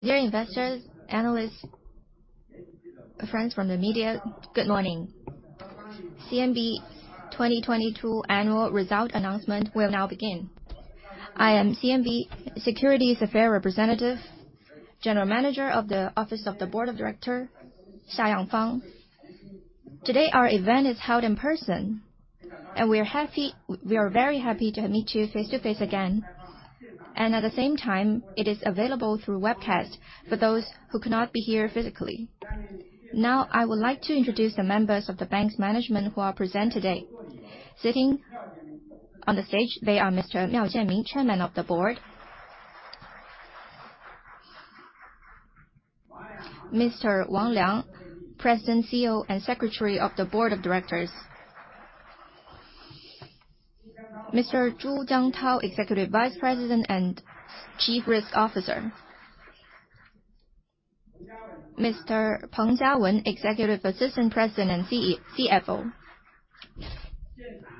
Dear investors, analysts, friends from the media, good morning. CMB 2022 annual result announcement will now begin. I am CMB Securities Affair Representative, General Manager of the Office of the Board of Director, Xia Yangfang. Today, our event is held in person, we are very happy to meet you face-to-face again. At the same time, it is available through webcast for those who could not be here physically. Now, I would like to introduce the members of thebank's management who are present today. Sitting on the stage, they are Mr. Miao Jianmin, Chairman of the Board. Mr. Wang Liang, President, CEO, and Secretary of the Board of Directors. Mr. Zhu Jiangtao, Executive Vice President and Chief Risk Officer. Mr. Peng Jiawen, Executive Assistant President and CFO.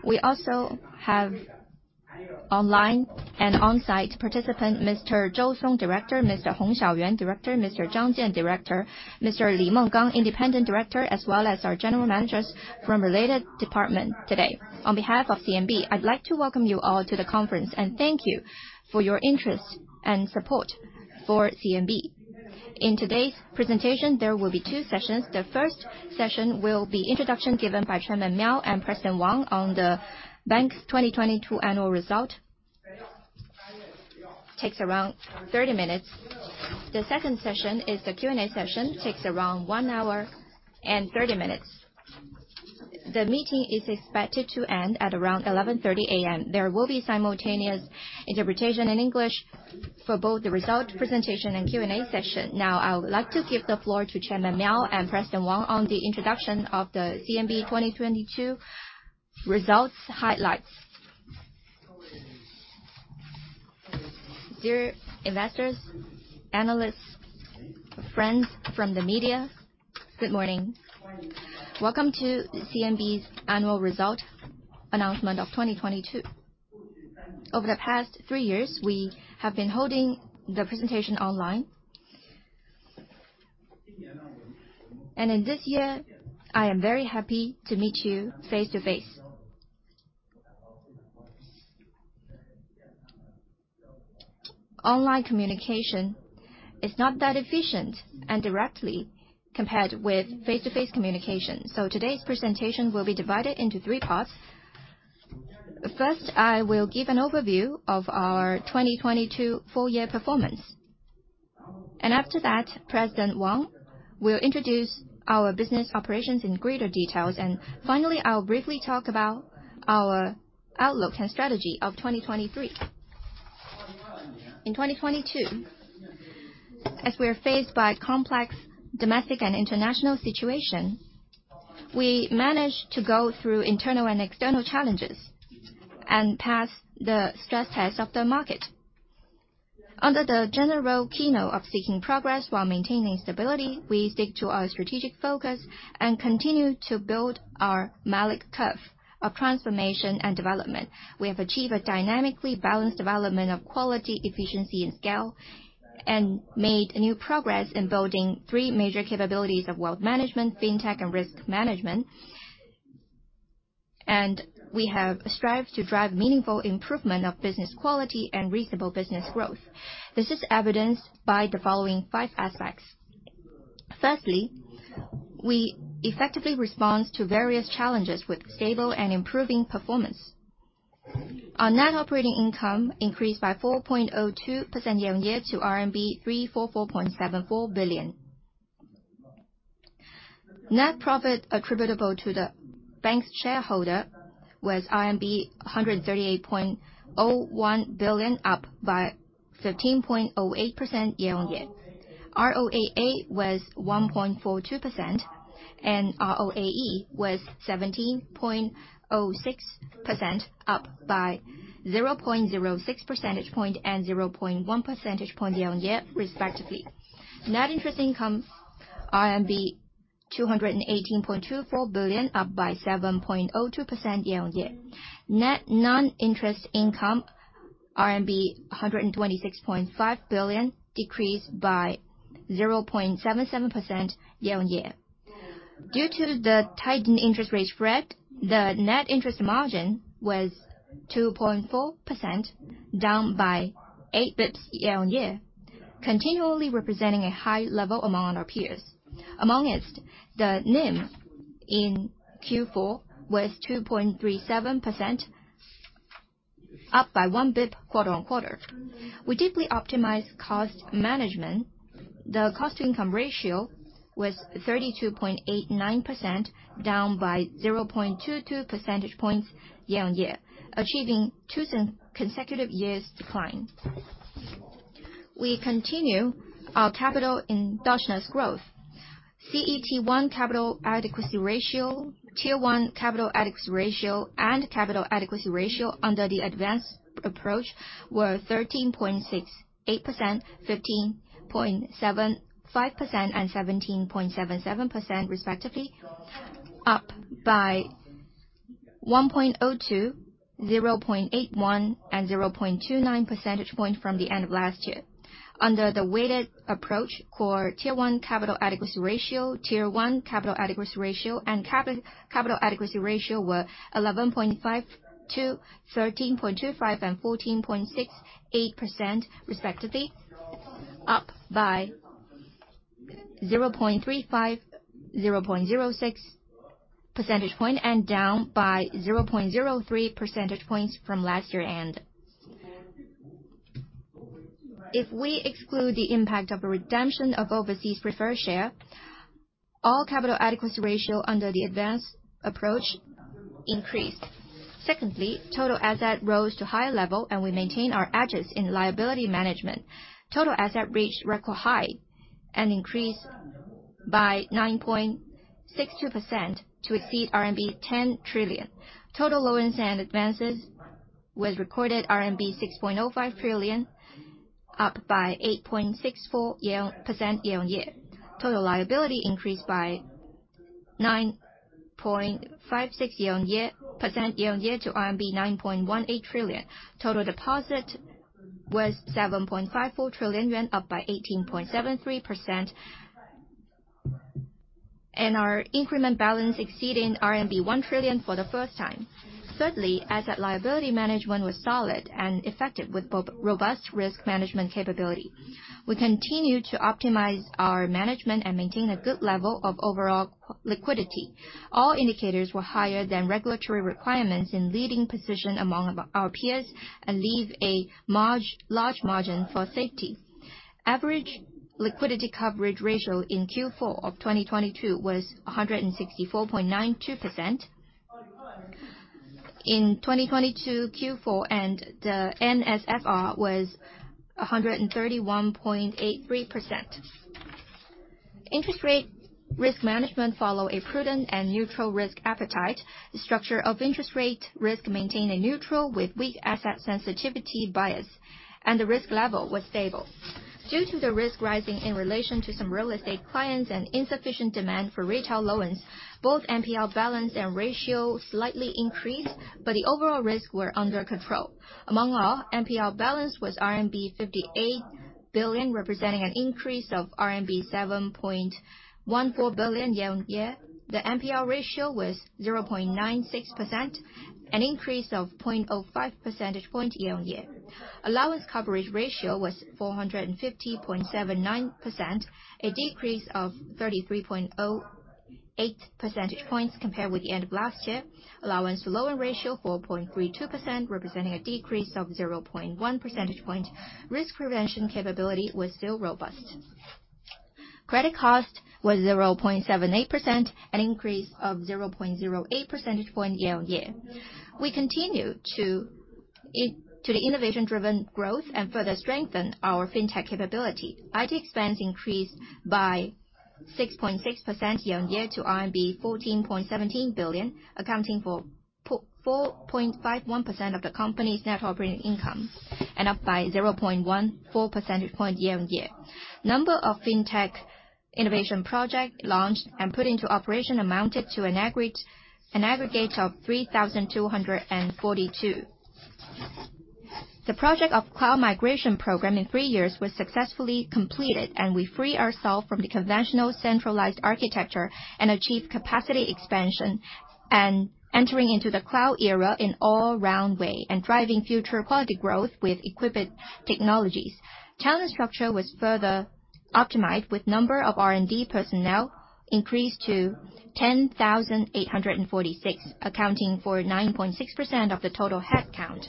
We also have online and on-site participant, Mr. Zhou Song, Director. Hong Xiaoyuan, Director, Mr. Zhang Jian, Director, Mr. Li Menggang, Independent Director, as well as our general managers from related department today. On behalf of CMB, I'd like to welcome you all to the conference, and thank you for your interest and support for CMB. In today's presentation, there will be two sessions. The first session will be introduction given by Chairman Miao and President Wang on the bank's 2022 annual result. Takes around 30 minutes. The second session is the Q&A session, takes around one hour and 30 minutes. The meeting is expected to end at around 11:30 A.M. There will be simultaneous interpretation in English for both the result presentation and Q&A session. I would like to give the floor to Chairman Miao and President Wang on the introduction of the CMB 2022 results highlights. Dear investors, analysts, friends from the media, good morning. Welcome to CMB's annual result announcement of 2022. Over the past three years, we have been holding the presentation online. In this year, I am very happy to meet you face-to-face. Online communication is not that efficient and directly compared with face-to-face communication. Today's presentation will be divided into three parts. First, I will give an overview of our 2022 full year performance. After that, President Wang will introduce our business operations in greater details. Finally, I'll briefly talk about our outlook and strategy of 2023. In 2022, as we are faced by complex domestic and international situation, we managed to go through internal and external challenges and pass the stress test of the market. Under the general keynote of seeking progress while maintaining stability, we stick to our strategic focus and continue to build our Malik curve of transformation and development. We have achieved a dynamically balanced development of quality, efficiency, and scale, made new progress in building three major capabilities of wealth management, fintech and risk management. We have strived to drive meaningful improvement of business quality and reasonable business growth. This is evidenced by the following five aspects. Firstly, we effectively respond to various challenges with stable and improving performance. Our net operating income increased by 4.02% year-on-year to RMB 344.74 billion. Net profit attributable to the bank's shareholder was RMB 138.01 billion, up by 15.08% year-on-year. ROAA was 1.42%, and ROAE was 17.06%, up by 0.06 % point and 0.1 % point year-on-year, respectively. Net interest income RMB 218.24 billion, up by 7.02% year-on-year. Net non-interest income RMB 126.5 billion, decreased by 0.77% year-on-year. Due to the tightened interest rate spread, the net interest margin was 2.4%, down by 8 basis points year-on-year, continually representing a high level among our peers. Amongst, the NIM in Q4 was 2.37%, up by one basis point quarter-on-quarter. We deeply optimized cost management. The cost-to-income ratio was 32.89%, down by 0.22% points year-on-year, achieving two consecutive years decline. We continue our capital industrious growth. CET1 capital adequacy ratio, Tier one capital adequacy ratio, and capital adequacy ratio under the advanced approach were 13.68%, 15.75%, and 17.77% respectively, up by 1.02, 0.81 and 0.29% point from the end of last year. Under the weighted approach, core Tier 1 capital adequacy ratio, Tier 1 capital adequacy ratio and capital adequacy ratio were 11.52, 13.25 and 14.68% respectively, up by 0.35, 0.06 % point and down by 0.03 % points from last year end. If we exclude the impact of a redemption of overseas preferred share, all capital adequacy ratio under the advanced approach increased. Total asset rose to high level, and we maintain our edges in liability management. Total asset reached record high and increased by 9.62% to exceed RMB 10 trillion. Total loans and advances was recorded RMB 6.05 trillion, up by 8.64% year-on-year. Total liability increased by 9.56% year-on-year to RMB 9.18 trillion. Total deposit was 7.54 trillion yuan, up by 18.73%. Our increment balance exceeding RMB 1 trillion for the first time. Asset liability management was solid and effective with both robust risk management capability. We continue to optimize our management and maintain a good level of overall liquidity. All indicators were higher than regulatory requirements in leading position among our peers and leave a large margin for safety. Average liquidity coverage ratio in Q4 of 2022 was 164.92%. In 2022 Q4, the NSFR was 131.83%. Interest rate risk management follow a prudent and neutral risk appetite. The structure of interest rate risk maintained a neutral with weak asset sensitivity bias, and the risk level was stable. Due to the risk rising in relation to some real estate clients and insufficient demand for retail loans, both NPL balance and ratio slightly increased, but the overall risks were under control. Among all, NPL balance was RMB 58 billion, representing an increase of RMB 7.14 billion year-on-year. The NPL ratio was 0.96%, an increase of 0.05 % point year-on-year. allowance coverage ratio was 450.79%, a decrease of 33.08 % points compared with the end of last year. Allowance to loan ratio 4.32%, representing a decrease of 0.1 % point. Risk prevention capability was still robust. credit cost was 0.78%, an increase of 0.08 % point year-on-year. We continue to the innovation-driven growth and further strengthen our fintech capability. IT expense increased by 6.6% year-on-year to RMB 14.17 billion, accounting for 4.51% of the company's net operating income and up by 0.14 % point year-on-year. Number of fintech innovation project launched and put into operation amounted to an aggregate of 3,242. The project of cloud migration program in three years was successfully completed. We free ourselves from the conventional centralized architecture and achieve capacity expansion and entering into the cloud era in all round way and driving future quality growth with equipped technologies. Talent structure was further optimized with number of R&D personnel increased to 10,846, accounting for 9.6% of the total headcount.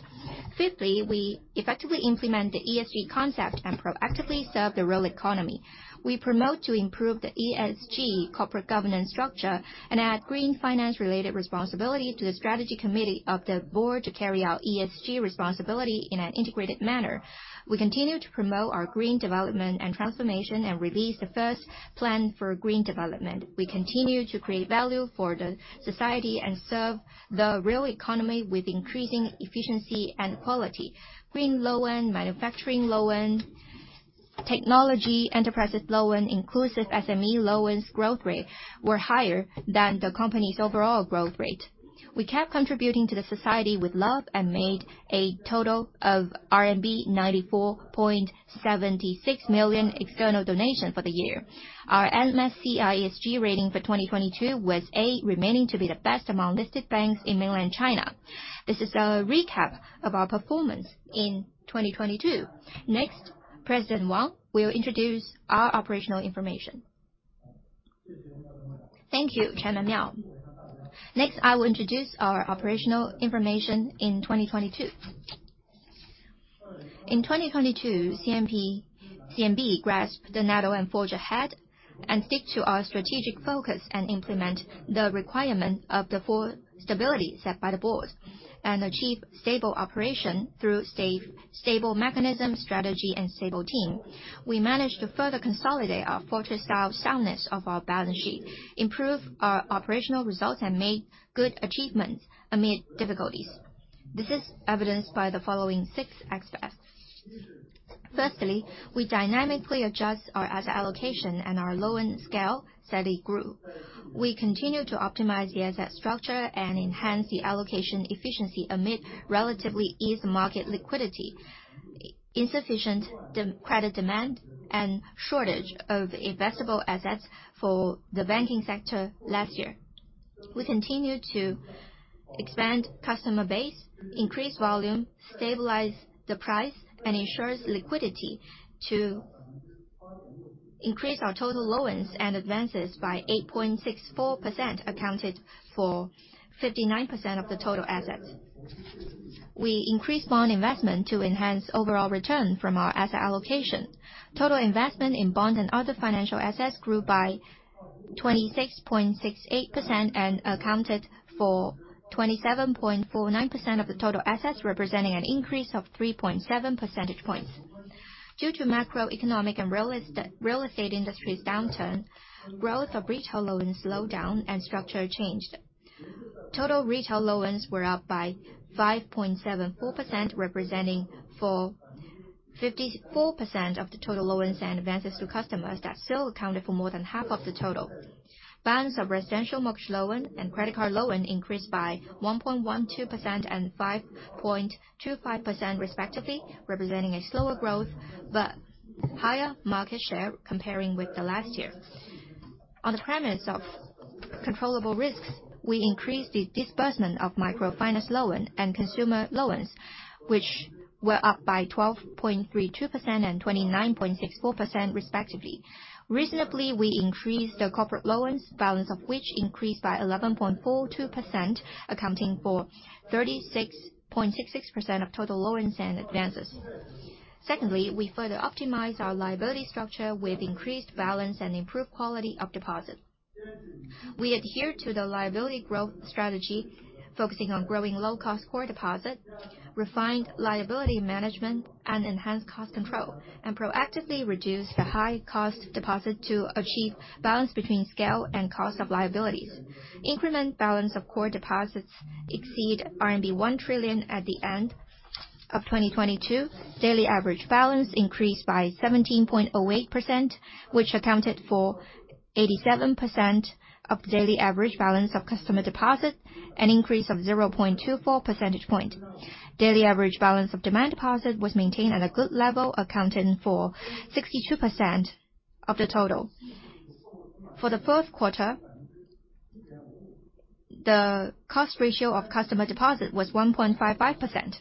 Fifthly, we effectively implement the ESG concept and proactively serve the real economy. We promote to improve the ESG corporate governance structure and add green finance related responsibility to the strategy committee of the board to carry out ESG responsibility in an integrated manner. We continue to promote our green development and transformation and release the first plan for green development. We continue to create value for the society and serve the real economy with increasing efficiency and quality. Green loan, manufacturing loan, technology enterprises loan, inclusive SME loans growth rate were higher than the company's overall growth rate. We kept contributing to the society with love and made a total of RMB 94.76 million external donation for the year. Our MSCI ESG rating for 2022 was A, remaining to be the best among listed banks in mainland China. This is a recap of our performance in 2022. President Wang will introduce our operational information. Thank you, Chairman Miao. I will introduce our operational information in 2022. In 2022, CMB grasped the NATO and forge ahead and stick to our strategic focus and implement the requirement of the four stability set by the board and achieve stable operation through safe, stable mechanism, strategy, and stable team. We managed to further consolidate our fortress of soundness of our balance sheet, improve our operational results, and made good achievements amid difficulties. This is evidenced by the following six aspects. Firstly, we dynamically adjust our asset allocation and our loan scale steadily grew. We continue to optimize the asset structure and enhance the allocation efficiency amid relatively ease market liquidity, insufficient credit demand, and shortage of investable assets for the banking sector last year. We continue to expand customer base, increase volume, stabilize the price, and ensures liquidity to increase our total loans and advances by 8.64% accounted for 59% of the total assets. We increase bond investment to enhance overall return from our asset allocation. Total investment in bond and other financial assets grew by 26.68% and accounted for 27.49% of the total assets, representing an increase of 3.7 % points. Due to macroeconomic and real estate industry's downturn, growth of retail loans slowed down and structure changed. Total retail loans were up by 5.74%, representing for 54% of the total loans and advances to customers that still accounted for more than half of the total. Balance of residential mortgage loan and credit card loan increased by 1.12% and 5.25% respectively, representing a slower growth, but higher market share comparing with the last year. On the premise of controllable risks, we increased the disbursement of microfinance loan and consumer loans, which were up by 12.32% and 29.64% respectively. Reasonably, we increased the corporate loans, balance of which increased by 11.42%, accounting for 36.66% of total loans and advances. We further optimize our liability structure with increased balance and improved quality of deposit. We adhere to the liability growth strategy, focusing on growing low-cost core deposit, refined liability management, and enhanced cost control, proactively reduce the high cost deposit to achieve balance between scale and cost of liabilities. Increment balance of core deposits exceed RMB 1 trillion at the end of 2022. Daily average balance increased by 17.08%, which accounted for 87% of daily average balance of customer deposit, an increase of 0.24 % point. Daily average balance of demand deposit was maintained at a good level, accounting for 62% of the total. For the fourth quarter, the cost ratio of customer deposit was 1.55%.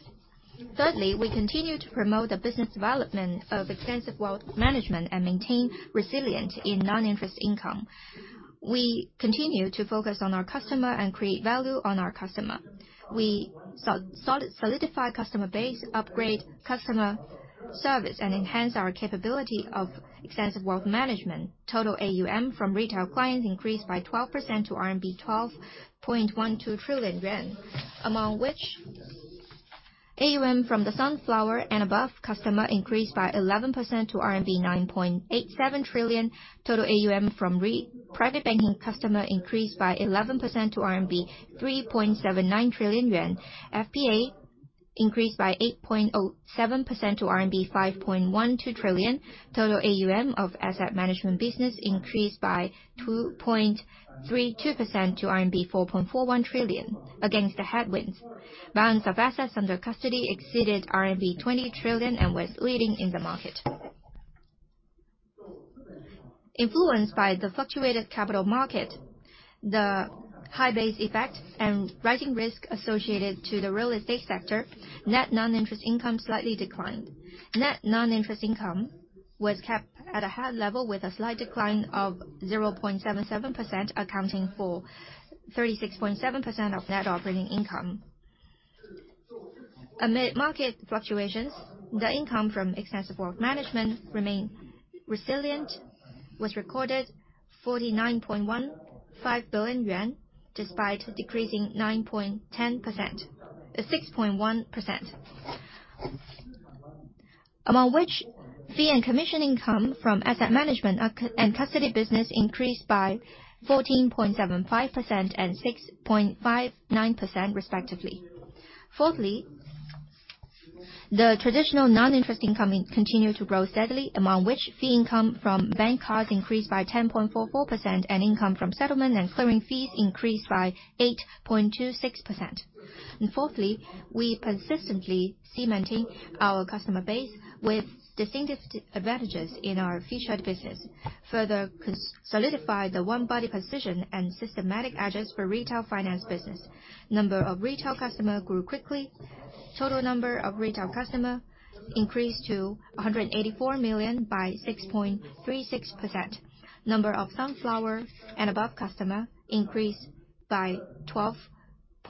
Thirdly, we continue to promote the business development of extensive wealth management and maintain resilient in non-interest income. We continue to focus on our customer and create value on our customer. We solidify customer base, upgrade customer service, and enhance our capability of extensive wealth management. Total AUM from retail clients increased by 12% to 12.12 trillion yuan. Among which AUM from the Sunflower and above customer increased by 11% to RMB 9.87 trillion. Total AUM from private banking customer increased by 11% to 3.79 trillion yuan. FPA increased by 8.07% to RMB 5.12 trillion. Total AUM of asset management business increased by 2.32% to RMB 4.41 trillion against the headwinds. Balance of assets under custody exceeded RMB 20 trillion and was leading in the market. Influenced by the fluctuated capital market, the high base effect and rising risk associated to the real estate sector, net non-interest income slightly declined. Net non-interest income was kept at a high level with a slight decline of 0.77%, accounting for 36.7% of net operating income. Amid market fluctuations, the income from extensive wealth management remained resilient, was recorded 49.15 billion yuan, despite decreasing 9.10% 6.1%. Among which fee and commission income from asset management and custody business increased by 14.75% and 6.59% respectively. Fourthly, the traditional non-interest income continue to grow steadily, among which fee income from bank cards increased by 10.44%, and income from settlement and clearing fees increased by 8.26%. Fourthly, we persistently cementing our customer base with distinctive advantages in our featured business. Further solidify the one body position and systematic edges for retail finance business. Number of retail customer grew quickly. Total number of retail customer increased to 184 million by 6.36%. Number of Sunflower and above customer increased by 12.84%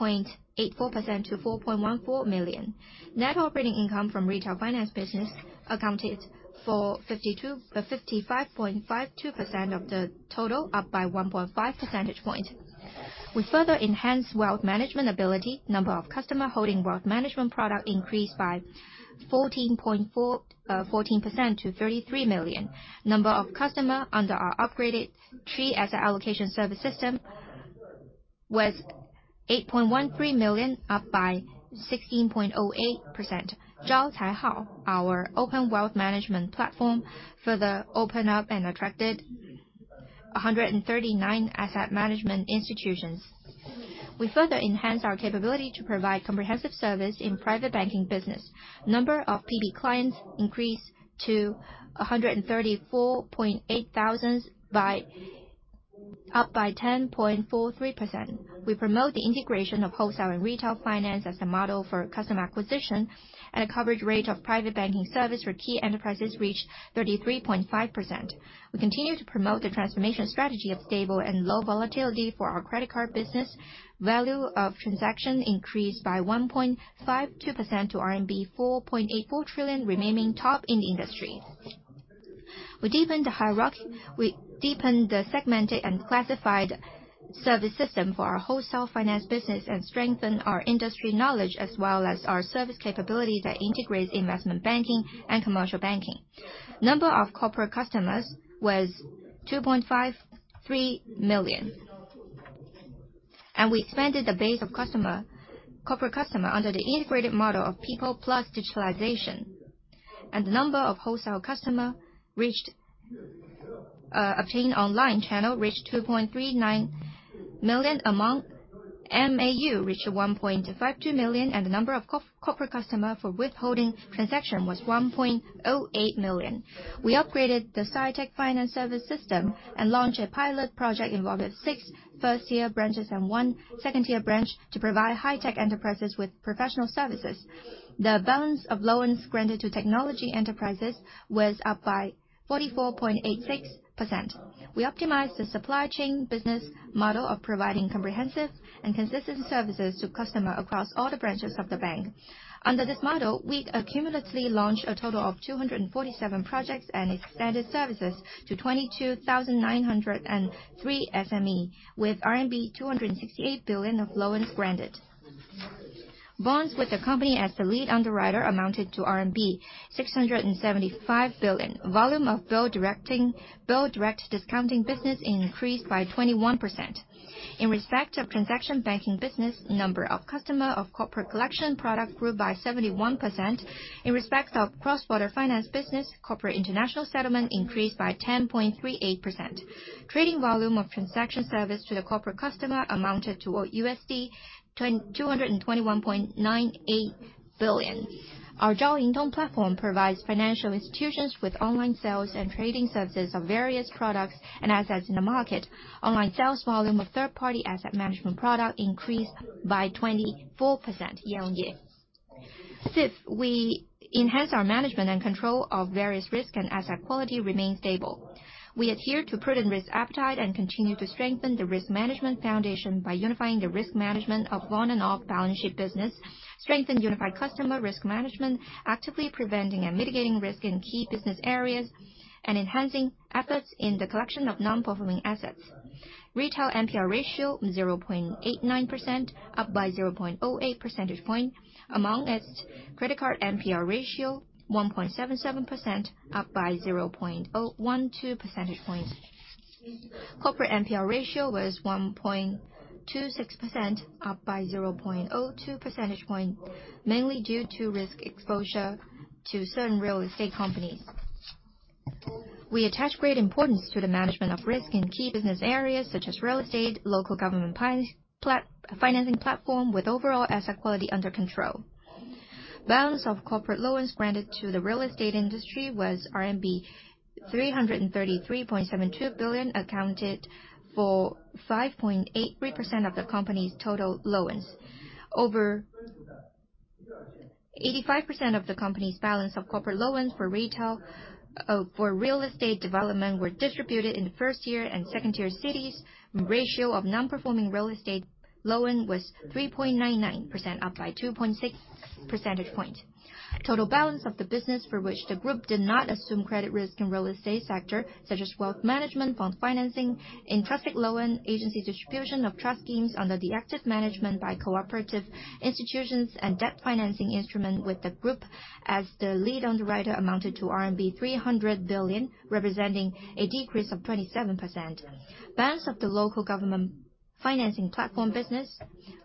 to 4.14 million. Net operating income from retail finance business accounted for 55.52% of the total, up by 1.5 % point. We further enhance wealth management ability. Number of customer holding wealth management product increased by 14% to 33 million. Number of customer under our upgraded three asset allocation service system-was 8.13 million, up by 16.08%. Zhao Cai Hao, our open wealth management platform, further opened up and attracted 139 asset management institutions. We further enhanced our capability to provide comprehensive service in private banking business. Number of PB clients increased to 134.8 thousands, up by 10.43%. We promote the integration of wholesale and retail finance as a model for customer acquisition, and a coverage rate of private banking service for key enterprises reached 33.5%. We continue to promote the transformation strategy of stable and low volatility for our credit card business. Value of transaction increased by 1.52% to RMB 4.84 trillion, remaining top in the industry. We deepened the segmented and classified service system for our wholesale finance business and strengthened our industry knowledge as well as our service capability that integrates investment banking and commercial banking. Number of corporate customers was 2.53 million. We expanded the base of customer, corporate customer, under the integrated model of people plus digitalization. The number of wholesale customer reached obtained online channel reached 2.39 million, among MAU reached 1.52 million, and the number of corporate customer for withholding transaction was 1.08 million. We upgraded the sci-tech finance service system and launched a pilot project involving six first-tier branches and one second-tier branch to provide high-tech enterprises with professional services. The balance of loans granted to technology enterprises was up by 44.86%. We optimized the supply chain business model of providing comprehensive and consistent services to customer across all the branches of the bank. Under this model, we accumulatively launched a total of 247 projects and expanded services to 22,903 SME, with RMB 268 billion of loans granted. Bonds with the company as the lead underwriter amounted to RMB 675 billion. Volume of bill direct discounting business increased by 21%. In respect of transaction banking business, number of customer of corporate collection product grew by 71%. In respect of cross-border finance business, corporate international settlement increased by 10.38%. Trading volume of transaction service to the corporate customer amounted to $221.98 billion. Our Zhao Ying Dong platform provides financial institutions with online sales and trading services of various products and assets in the market. Online sales volume of third-party asset management product increased by 24% year-on-year. Fifth, we enhanced our management and control of various risk and asset quality remain stable. We adhere to prudent risk appetite and continue to strengthen the risk management foundation by unifying the risk management of on and off balance sheet business, strengthen unified customer risk management, actively preventing and mitigating risk in key business areas, and enhancing efforts in the collection of non-performing assets. Retail NPL ratio 0.89%, up by 0.08 % point. Among it, credit card NPL ratio 1.77%, up by 0.012 % points. Corporate NPL ratio was 1.26%, up by 0.02 % point, mainly due to risk exposure to certain real estate companies. We attach great importance to the management of risk in key business areas such as real estate, local government financing platform with overall asset quality under control. Balance of corporate loans granted to the real estate industry was RMB 333.72 billion, accounted for 5.83% of the company's total loans. Over 85% of the company's balance of corporate loans for retail, for real estate development were distributed in the first year and second-tier cities. Ratio of non-performing real estate loan was 3.99%, up by 2.6 % point. Total balance of the business for which the group did not assume credit risk in real estate sector, such as wealth management, fund financing, in-trust loan, agency distribution of trust schemes under the active management by cooperative institutions and debt financing instrument with the group as the lead underwriter amounted to RMB 300 billion, representing a decrease of 27%. Balance of the local government financing platform business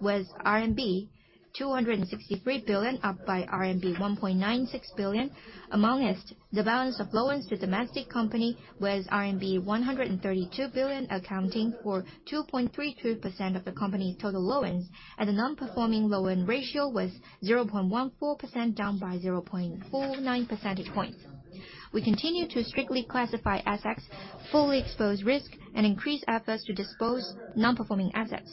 was RMB 263 billion, up by RMB 1.96 billion. Among it, the balance of loans to domestic company was RMB 132 billion, accounting for 2.32% of the company's total loans. The non-performing loan ratio was 0.14%, down by 0.49 % points. We continue to strictly classify assets, fully expose risk, and increase efforts to dispose non-performing assets.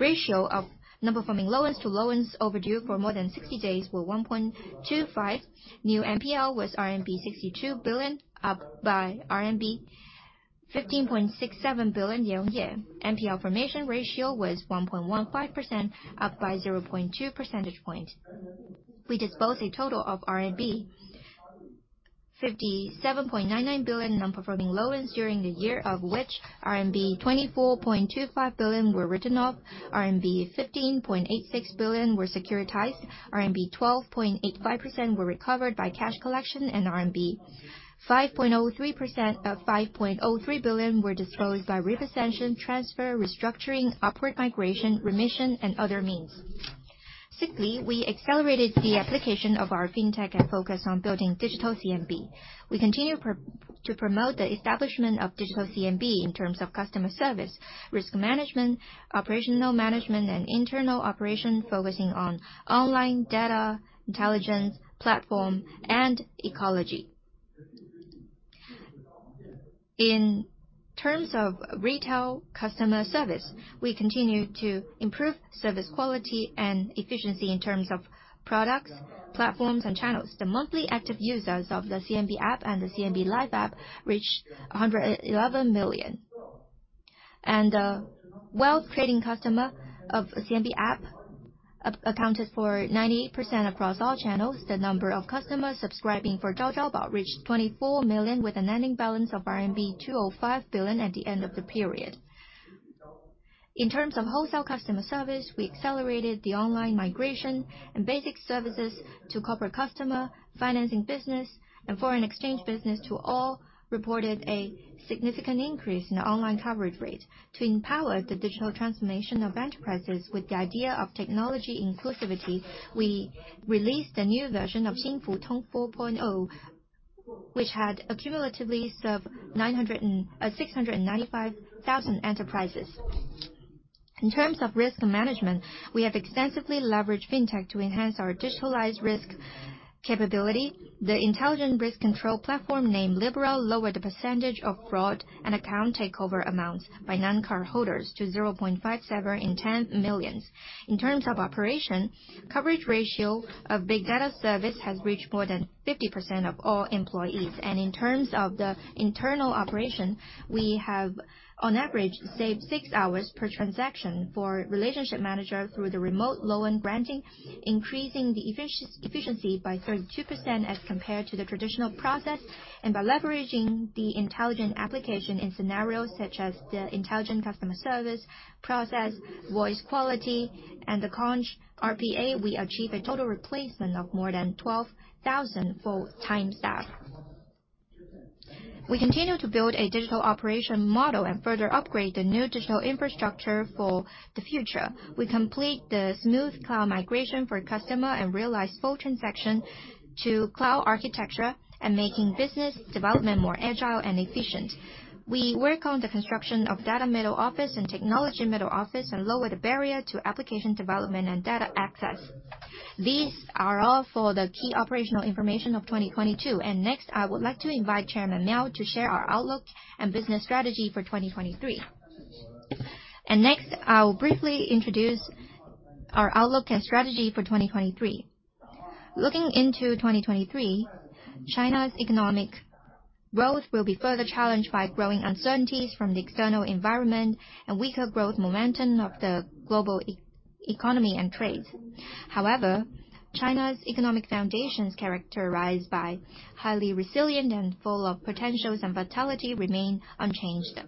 Ratio of non-performing loans to loans overdue for more than 60 days were 1.25. New NPL was RMB 62 billion, up by RMB 15.67 billion year-on-year. NPL formation ratio was 1.15%, up by 0.2 % point. We disposed a total of RMB 57.99 billion nonperforming loans during the year, of which RMB 24.25 billion were written off, RMB 15.86 billion were securitized, RMB 12.85 billion were recovered by cash collection, and 5.03 billion were disposed by repossession, transfer, restructuring, upward migration, remission, and other means. Sixthly, we accelerated the application of our fintech and focus on building digital CMB. We continue to promote the establishment of digital CMB in terms of customer service, risk management, operational management, and internal operation, focusing on online data, intelligence, platform, and ecology. In terms of retail customer service, we continue to improve service quality and efficiency in terms of products, platforms, and channels. The monthly active users of the CMB App and the CMB Live app reached 111 million. Wealth creating customer of CMB App accounted for 98% across all channels. The number of customers subscribing for Zhao Zhao Bao reached 24 million, with an ending balance of RMB 205 billion at the end of the period. In terms of wholesale customer service, we accelerated the online migration and basic services to corporate customer, financing business, and foreign exchange business, to all reported a significant increase in online coverage rate. To empower the digital transformation of enterprises with the idea of technology inclusivity, we released a new version of Xin Futong 4.0, which had accumulatively served 695,000 enterprises. In terms of risk management, we have extensively leveraged fintech to enhance our digitalized risk capability. The intelligent risk control platform named Libra lowered the precentage of fraud and account takeover amounts by non-card holders to 0.57 in 10 millions. In terms of operation, coverage ratio of big data service has reached more than 50% of all employees. In terms of the internal operation, we have on average saved six hours per transaction for relationship manager through the remote loan branching, increasing the efficiency by 32% as compared to the traditional process. By leveraging the intelligent application in scenarios such as the intelligent customer service process, voice quality, and the Conch RPA, we achieve a total replacement of more than 12,000 full-time staff. We continue to build a digital operation model and further upgrade the new digital infrastructure for the future. We complete the smooth cloud migration for customer and realize full transaction to cloud architecture and making business development more agile and efficient. We work on the construction of data middle office and technology middle office, and lower the barrier to application development and data access. These are all for the key operational information of 2022. Next, I would like to invite Chairman Miao to share our outlook and business strategy for 2023. Next, I will briefly introduce our outlook and strategy for 2023. Looking into 2023, China's economic growth will be further challenged by growing uncertainties from the external environment and weaker growth momentum of the global e-economy and trade. However, China's economic foundations characterized by highly resilient and full of potentials and vitality remain unchanged.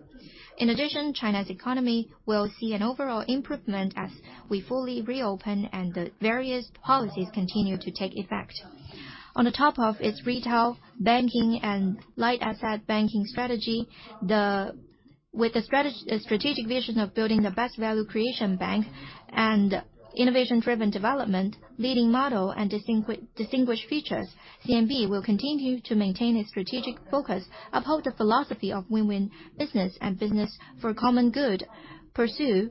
China's economy will see an overall improvement as we fully reopen and the various policies continue to take effect. On the top of its retail banking and light asset banking strategy, With the strategic vision of building the best value creation bank and innovation-driven development, leading model, and distinguished features, CMB will continue to maintain its strategic focus, uphold the philosophy of win-win business and business for common good, pursue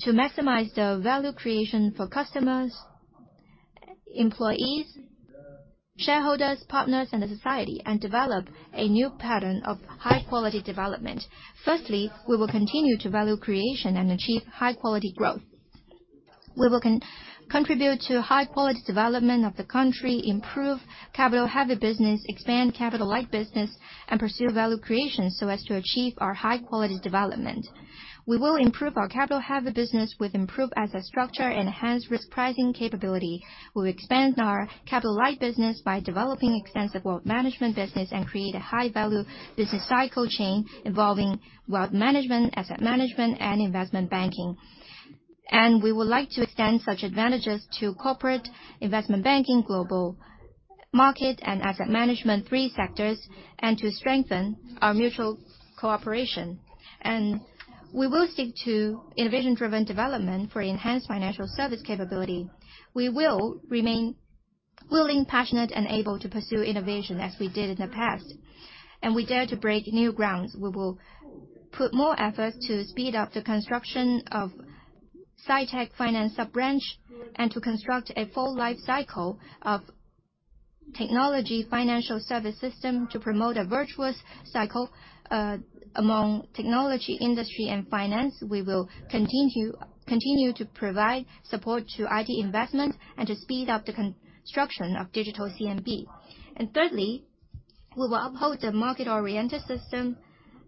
to maximize the value creation for customers, employees, shareholders, partners, and the society, and develop a new pattern of high-quality development. We will continue to value creation and achieve high-quality growth. We will contribute to high-quality development of the country, improve capital-heavy business, expand capital-light business, and pursue value creation so as to achieve our high-quality development. We will improve our capital-heavy business with improved asset structure and enhanced risk pricing capability. We'll expand our capital-light business by developing extensive wealth management business and create a high-value business cycle chain involving wealth management, asset management, and investment banking. We would like to extend such advantages to corporate investment banking, global market, and asset management three sectors, and to strengthen our mutual cooperation. We will seek to innovation-driven development for enhanced financial service capability. We will remain willing, passionate, and able to pursue innovation as we did in the past, and we dare to break new grounds. We will put more effort to speed up the construction of sci-tech finance sub-branch and to construct a full life cycle of technology financial service system to promote a virtuous cycle among technology, industry, and finance. We will continue to provide support to IT investment and to speed up the construction of digital CMB. Thirdly. We will uphold the market-oriented system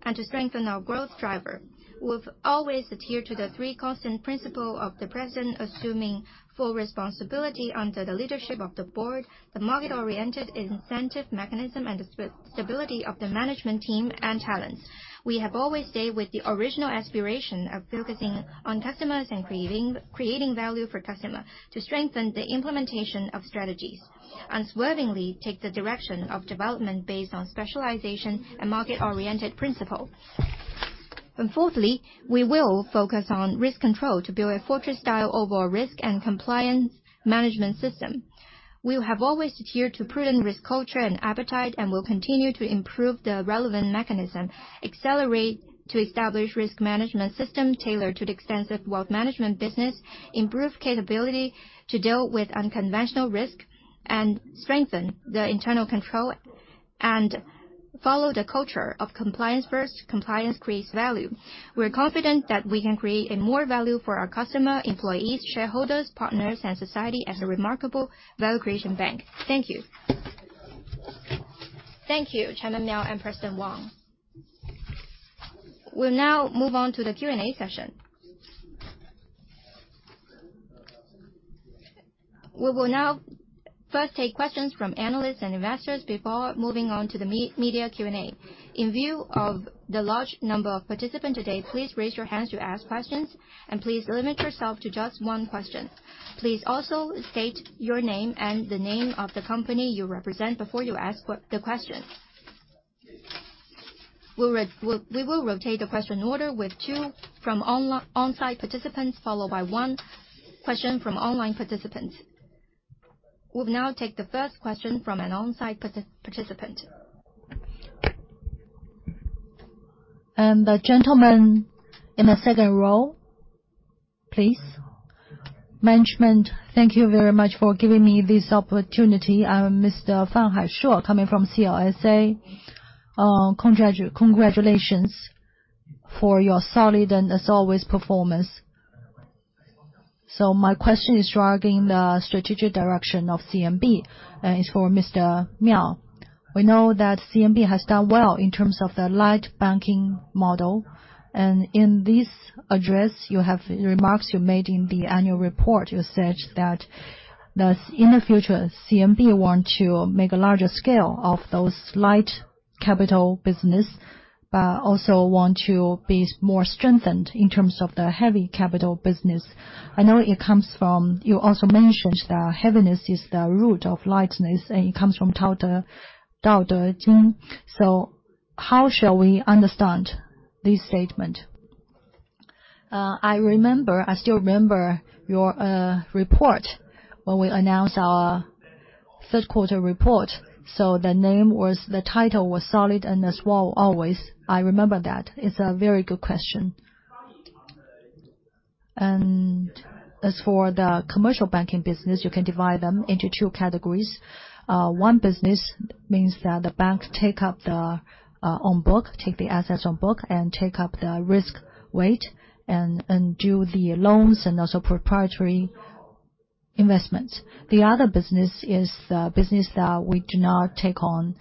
and to strengthen our growth driver. We've always adhere to the three constant principle of the present, assuming full responsibility under the leadership of the Board, the market-oriented incentive mechanism, and the stability of the management team and talents. We have always stayed with the original aspiration of focusing on customers and creating value for customer to strengthen the implementation of strategies. Unswervingly, take the direction of development based on specialization and market-oriented principle. Fourthly, we will focus on risk control to build a fortress-style overall risk and compliance management system. We have always adhered to prudent risk culture and appetite, and will continue to improve the relevant mechanism, accelerate to establish risk management system tailored to the Extensive Wealth Management business, improve capability to deal with unconventional risk, and strengthen the internal control, and follow the culture of compliance first. Compliance creates value. We're confident that we can create a more value for our customer, employees, shareholders, partners, and society as a remarkable value creation bank. Thank you. Thank you, Chairman Miao and President Wang. We'll now move on to the Q&A session. We will now first take questions from analysts and investors before moving on to the media Q&A. In view of the large number of participants today, please raise your hands to ask questions, and please limit yourself to just one question. Please also state your name and the name of the company you represent before you ask the question. We will rotate the question order with two from on-site participants, followed by one question from online participants. We'll now take the first question from an on-site participant. The gentleman in the second row, please. Management, thank you very much for giving me this opportunity. I'm Mr. Hans Fan, coming from CLSA. Congratulations for your solid and as always performance. My question is regarding the strategic direction of CMB, and it's for Mr. Miao. We know that CMB has done well in terms of the light banking model. In this address remarks you made in the annual report, you said that in the future, CMB want to make a larger scale of those light capital business, but also want to be more strengthened in terms of the heavy capital business. You also mentioned the heaviness is the root of lightness, and it comes from Tao Te Ching. How shall we understand this statement? I remember, I still remember your report when we announced our third quarter report. The title was Solid and As Well Always. I remember that. It's a very good question. As for the commercial banking business, you can divide them into two categories. One business means that the bank take up the on book, take the assets on book and take up the risk weight and do the loans and also proprietary investments. The other business is the business that we do not take on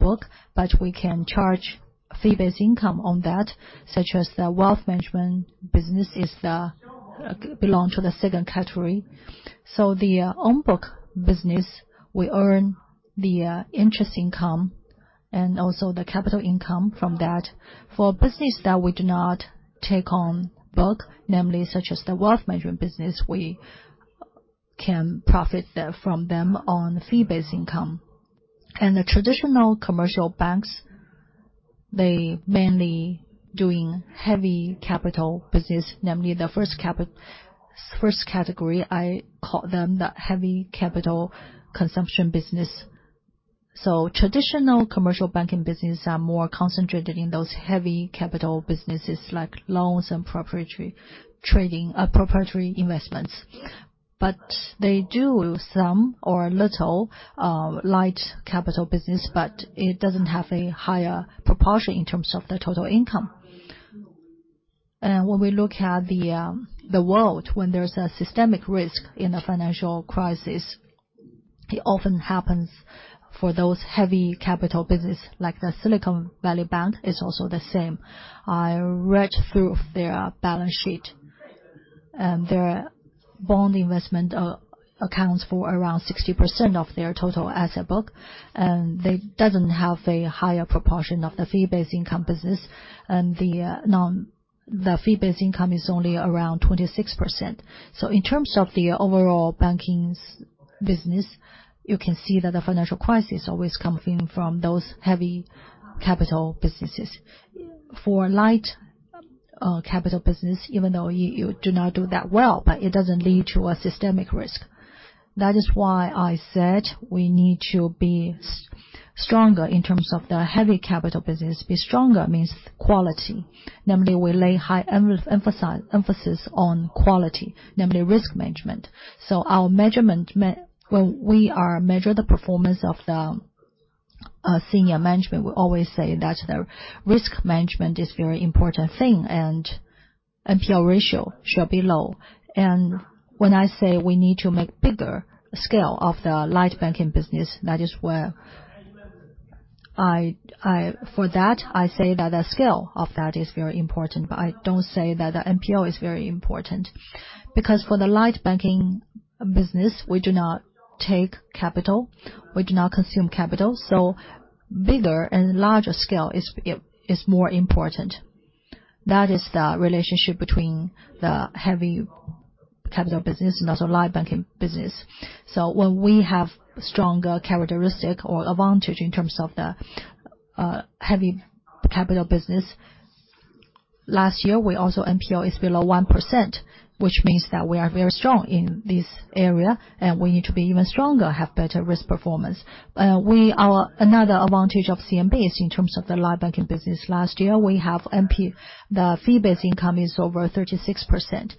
book, but we can charge fee-based income on that, such as the wealth management business belong to the second category. The on-book business, we earn the interest income and also the capital income from that. For business that we do not take on book, namely such as the wealth management business, we can profit from them on fee-based income. The traditional commercial banks, they mainly doing heavy capital business, namely the first category, I call them the heavy capital consumption business. Traditional commercial banking business are more concentrated in those heavy capital businesses like loans and proprietary trading, proprietary investments. They do some or a little light capital business, but it doesn't have a higher proportion in terms of the total income. When we look at the world, when there's a systemic risk in a financial crisis, it often happens for those heavy capital business, like the Silicon Valley Bank is also the same. I read through their balance sheet, and their bond investment accounts for around 60% of their total asset book. They doesn't have a higher proportion of the fee-based income business. The fee-based income is only around 26%. In terms of the overall bankings business, you can see that the financial crisis always coming from those heavy capital businesses. For light capital business, even though you do not do that well, but it doesn't lead to a systemic risk. That is why I said we need to be stronger in terms of the heavy capital business. Be stronger means quality. Namely, we lay high emphasis on quality, namely risk management. Our measurement When we are measure the performance of the senior management, we always say that the risk management is very important thing and NPL ratio shall be low. When I say we need to make bigger scale of the light banking business, that is where For that, I say that the scale of that is very important, but I don't say that the NPL is very important. For the light banking business, we do not take capital, we do not consume capital, so bigger and larger scale is more important. That is the relationship between the heavy capital business and also light banking business. When we have stronger characteristic or advantage in terms of the heavy capital business. Last year, NPL is below 1%, which means that we are very strong in this area, and we need to be even stronger, have better risk performance. Another advantage of CMB in terms of the light banking business. Last year, the fee-based income is over 36%.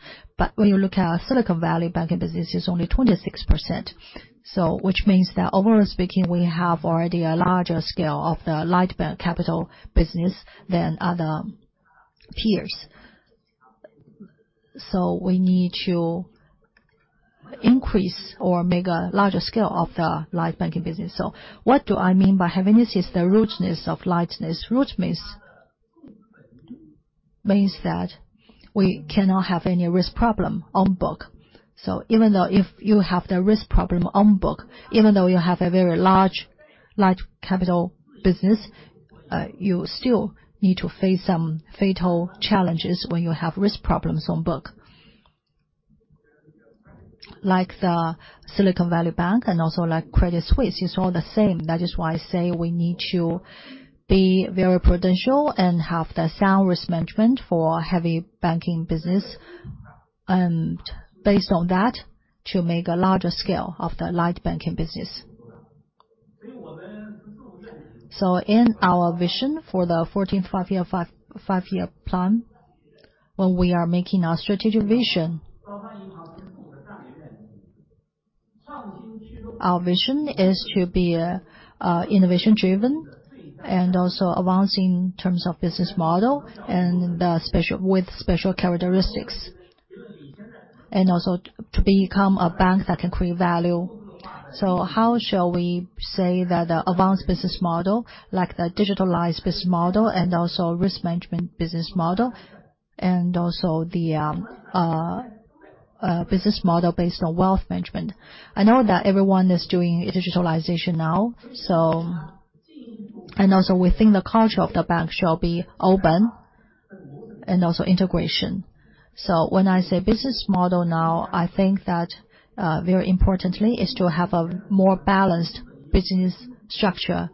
When you look at our Silicon Valley banking business, it's only 26%. Which means that overall speaking, we have already a larger scale of the light bank capital business than other peers. We need to increase or make a larger scale of the light banking business. What do I mean by heaviness? It's the rootedness of lightness. Root means that we cannot have any risk problem on book. Even though if you have the risk problem on book, even though you have a very large light capital business, you still need to face some fatal challenges when you have risk problems on book. Like the Silicon Valley Bank and also like Credit Suisse, it's all the same. That is why I say we need to be very prudential and have the sound risk management for heavy banking business, and based on that, to make a larger scale of the light banking business. In our vision for the 14th Five-Year Plan, when we are making our strategic vision, our vision is to be innovation-driven and also advancing in terms of business model and with special characteristics. And also to become a bank that can create value. How shall we say that the advanced business model, like the digitalized business model and also risk management business model, and also the business model based on wealth management. I know that everyone is doing digitalization now. We think the culture of the bank shall be open and also integration. When I say business model now, I think that very importantly is to have a more balanced business structure.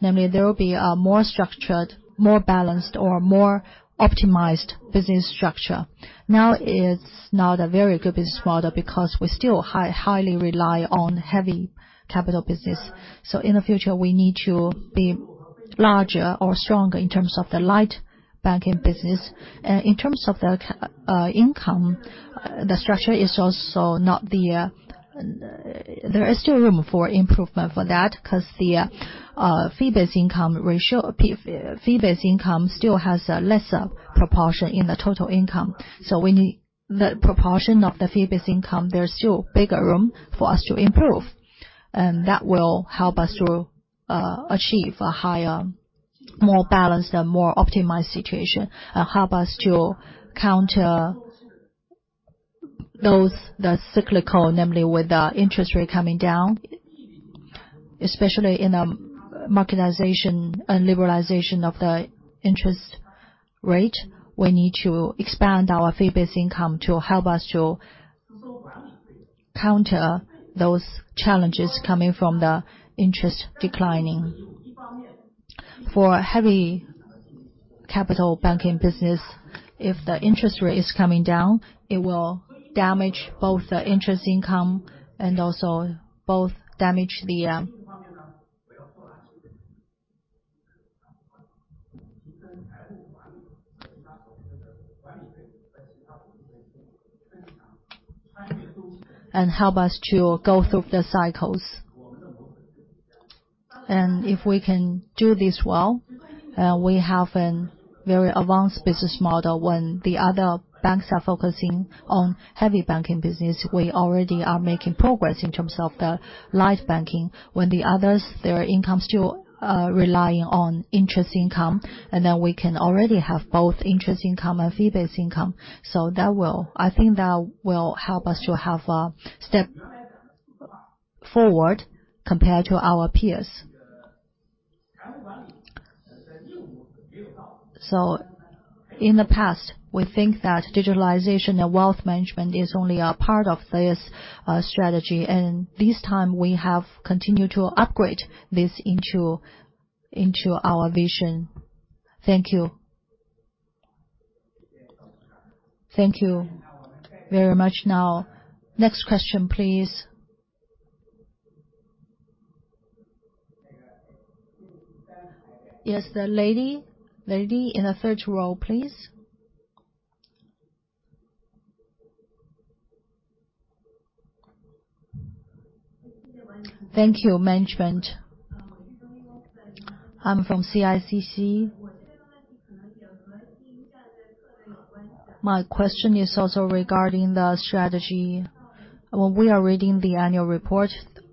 Namely, there will be a more structured, more balanced or more optimized business structure. Now it's not a very good business model because we still highly rely on heavy capital business. In the future, we need to be larger or stronger in terms of the light banking business. In terms of the income, the structure is also not the... There is still room for improvement for that 'cause the fee-based income ratio, fee-based income still has a lesser proportion in the total income. The proportion of the fee-based income, there's still bigger room for us to improve. That will help us to achieve a higher, more balanced and more optimized situation. Help us to counter those, the cyclical, namely with the interest rate coming down, especially in marketization and liberalization of the interest rate. We need to expand our fee-based income to help us to counter those challenges coming from the interest declining. For a heavy capital banking business, if the interest rate is coming down, it will damage both the interest income and also both damage the. Help us to go through the cycles. If we can do this well, we have an very advanced business model. When the other banks are focusing on heavy banking business, we already are making progress in terms of the light banking. When the others, their income still relying on interest income, and then we can already have both interest income and fee-based income. That will-- I think that will help us to have a step forward compared to our peers. In the past, we think that digitalization and wealth management is only a part of this strategy. This time, we have continued to upgrade this into our vision. Thank you. Thank you very much. Now, next question, please. Yes, the lady. Lady in the third row, please. Thank you, management. I'm from CICC. My question is also regarding the strategy. When we are reading the annual report,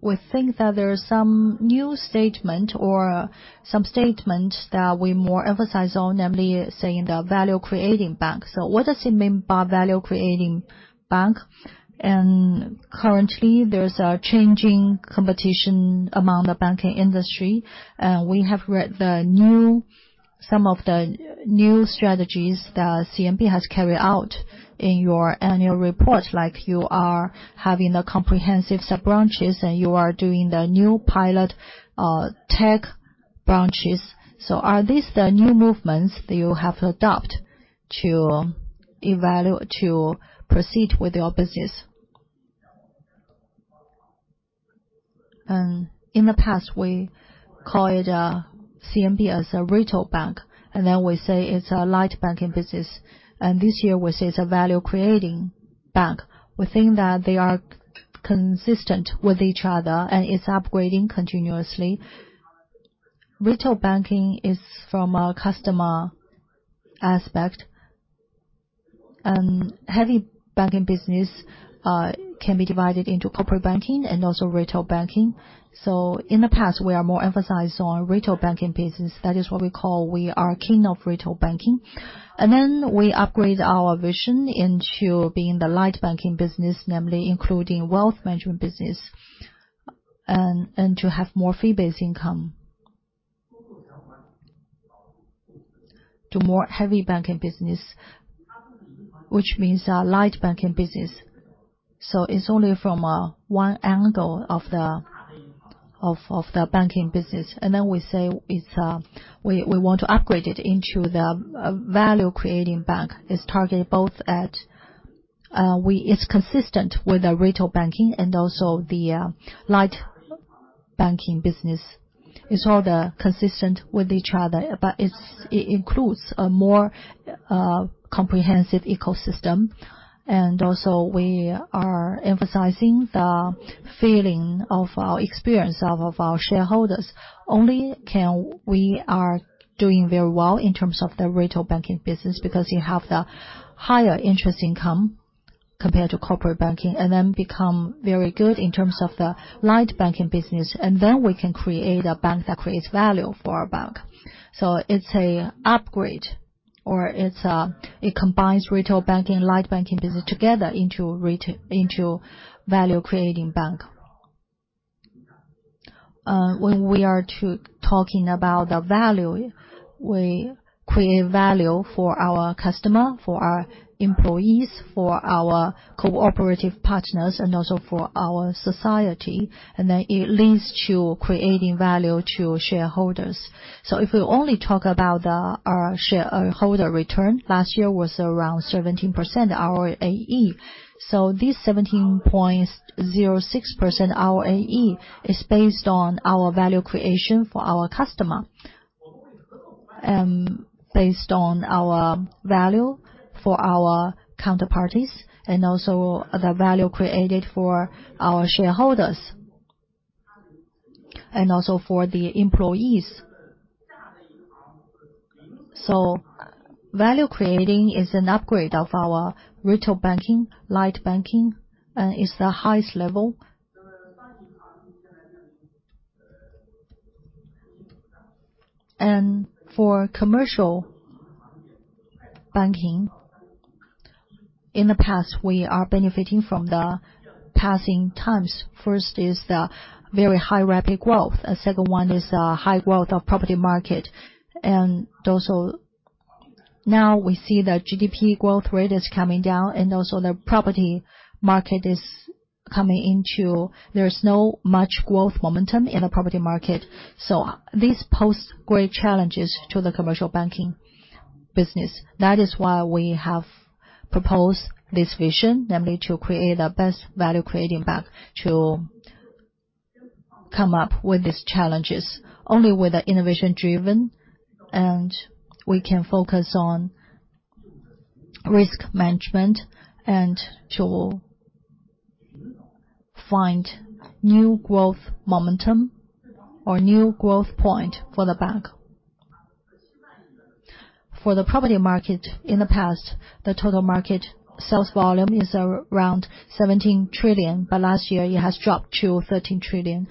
we think that there's some new statement or some statement that we more emphasize on, namely, saying the value creating bank. What does it mean by value creating bank? Currently, there's a changing competition among the banking industry. We have read some of the new strategies that CMB has carried out in your annual report, like you are having the comprehensive sub-branches, and you are doing the new pilot, tech branches. Are these the new movements that you have adopt to proceed with your business? In the past, we called CMB as a retail bank, and then we say it's a light banking business. This year, we say it's a value creating bank. We think that they are consistent with each other, and it's upgrading continuously. Retail banking is from a customer aspect. heavy banking business can be divided into corporate banking and also retail banking. In the past, we are more emphasized on retail banking business. That is what we call we are king of retail banking. We upgrade our vision into being the light banking business, namely including wealth management business and to have more fee-based income. More heavy banking business, which means our light banking business. It's only from one angle of the banking business. We say we want to upgrade it into the value-creating bank. It's consistent with the retail banking and also the light banking business. It's all the consistent with each other, but it includes a more comprehensive ecosystem. We are emphasizing the feeling of our experience of our shareholders. Only can we are doing very well in terms of the retail banking business because you have the higher interest income compared to corporate banking, and then become very good in terms of the light banking business. We can create a bank that creates value for our bank. It's an upgrade, or it combines retail banking, light banking business together into value creating bank. When we are talking about the value, we create value for our customer, for our employees, for our cooperative partners, and also for our society. It leads to creating value to shareholders. If we only talk about our shareholder return, last year was around 17%, our ROAE. This 17.06%, our AE, is based on our value creation for our customer, based on our value for our counterparties, and also the value created for our shareholders, and also for the employees. Value creating is an upgrade of our retail banking, light banking, and is the highest level. For commercial banking, in the past, we are benefiting from the passing times. First is the very high rapid growth. Second one is high growth of property market. Now we see the GDP growth rate is coming down. There's no much growth momentum in the property market. This pose great challenges to the commercial banking business. That is why we have proposed this vision, namely to create the best value creating bank to come up with these challenges. Only with the innovation driven, we can focus on risk management and to find new growth momentum or new growth point for the bank. For the property market in the past, the total market sales volume is around 17 trillion, but last year it has dropped to 13 trillion.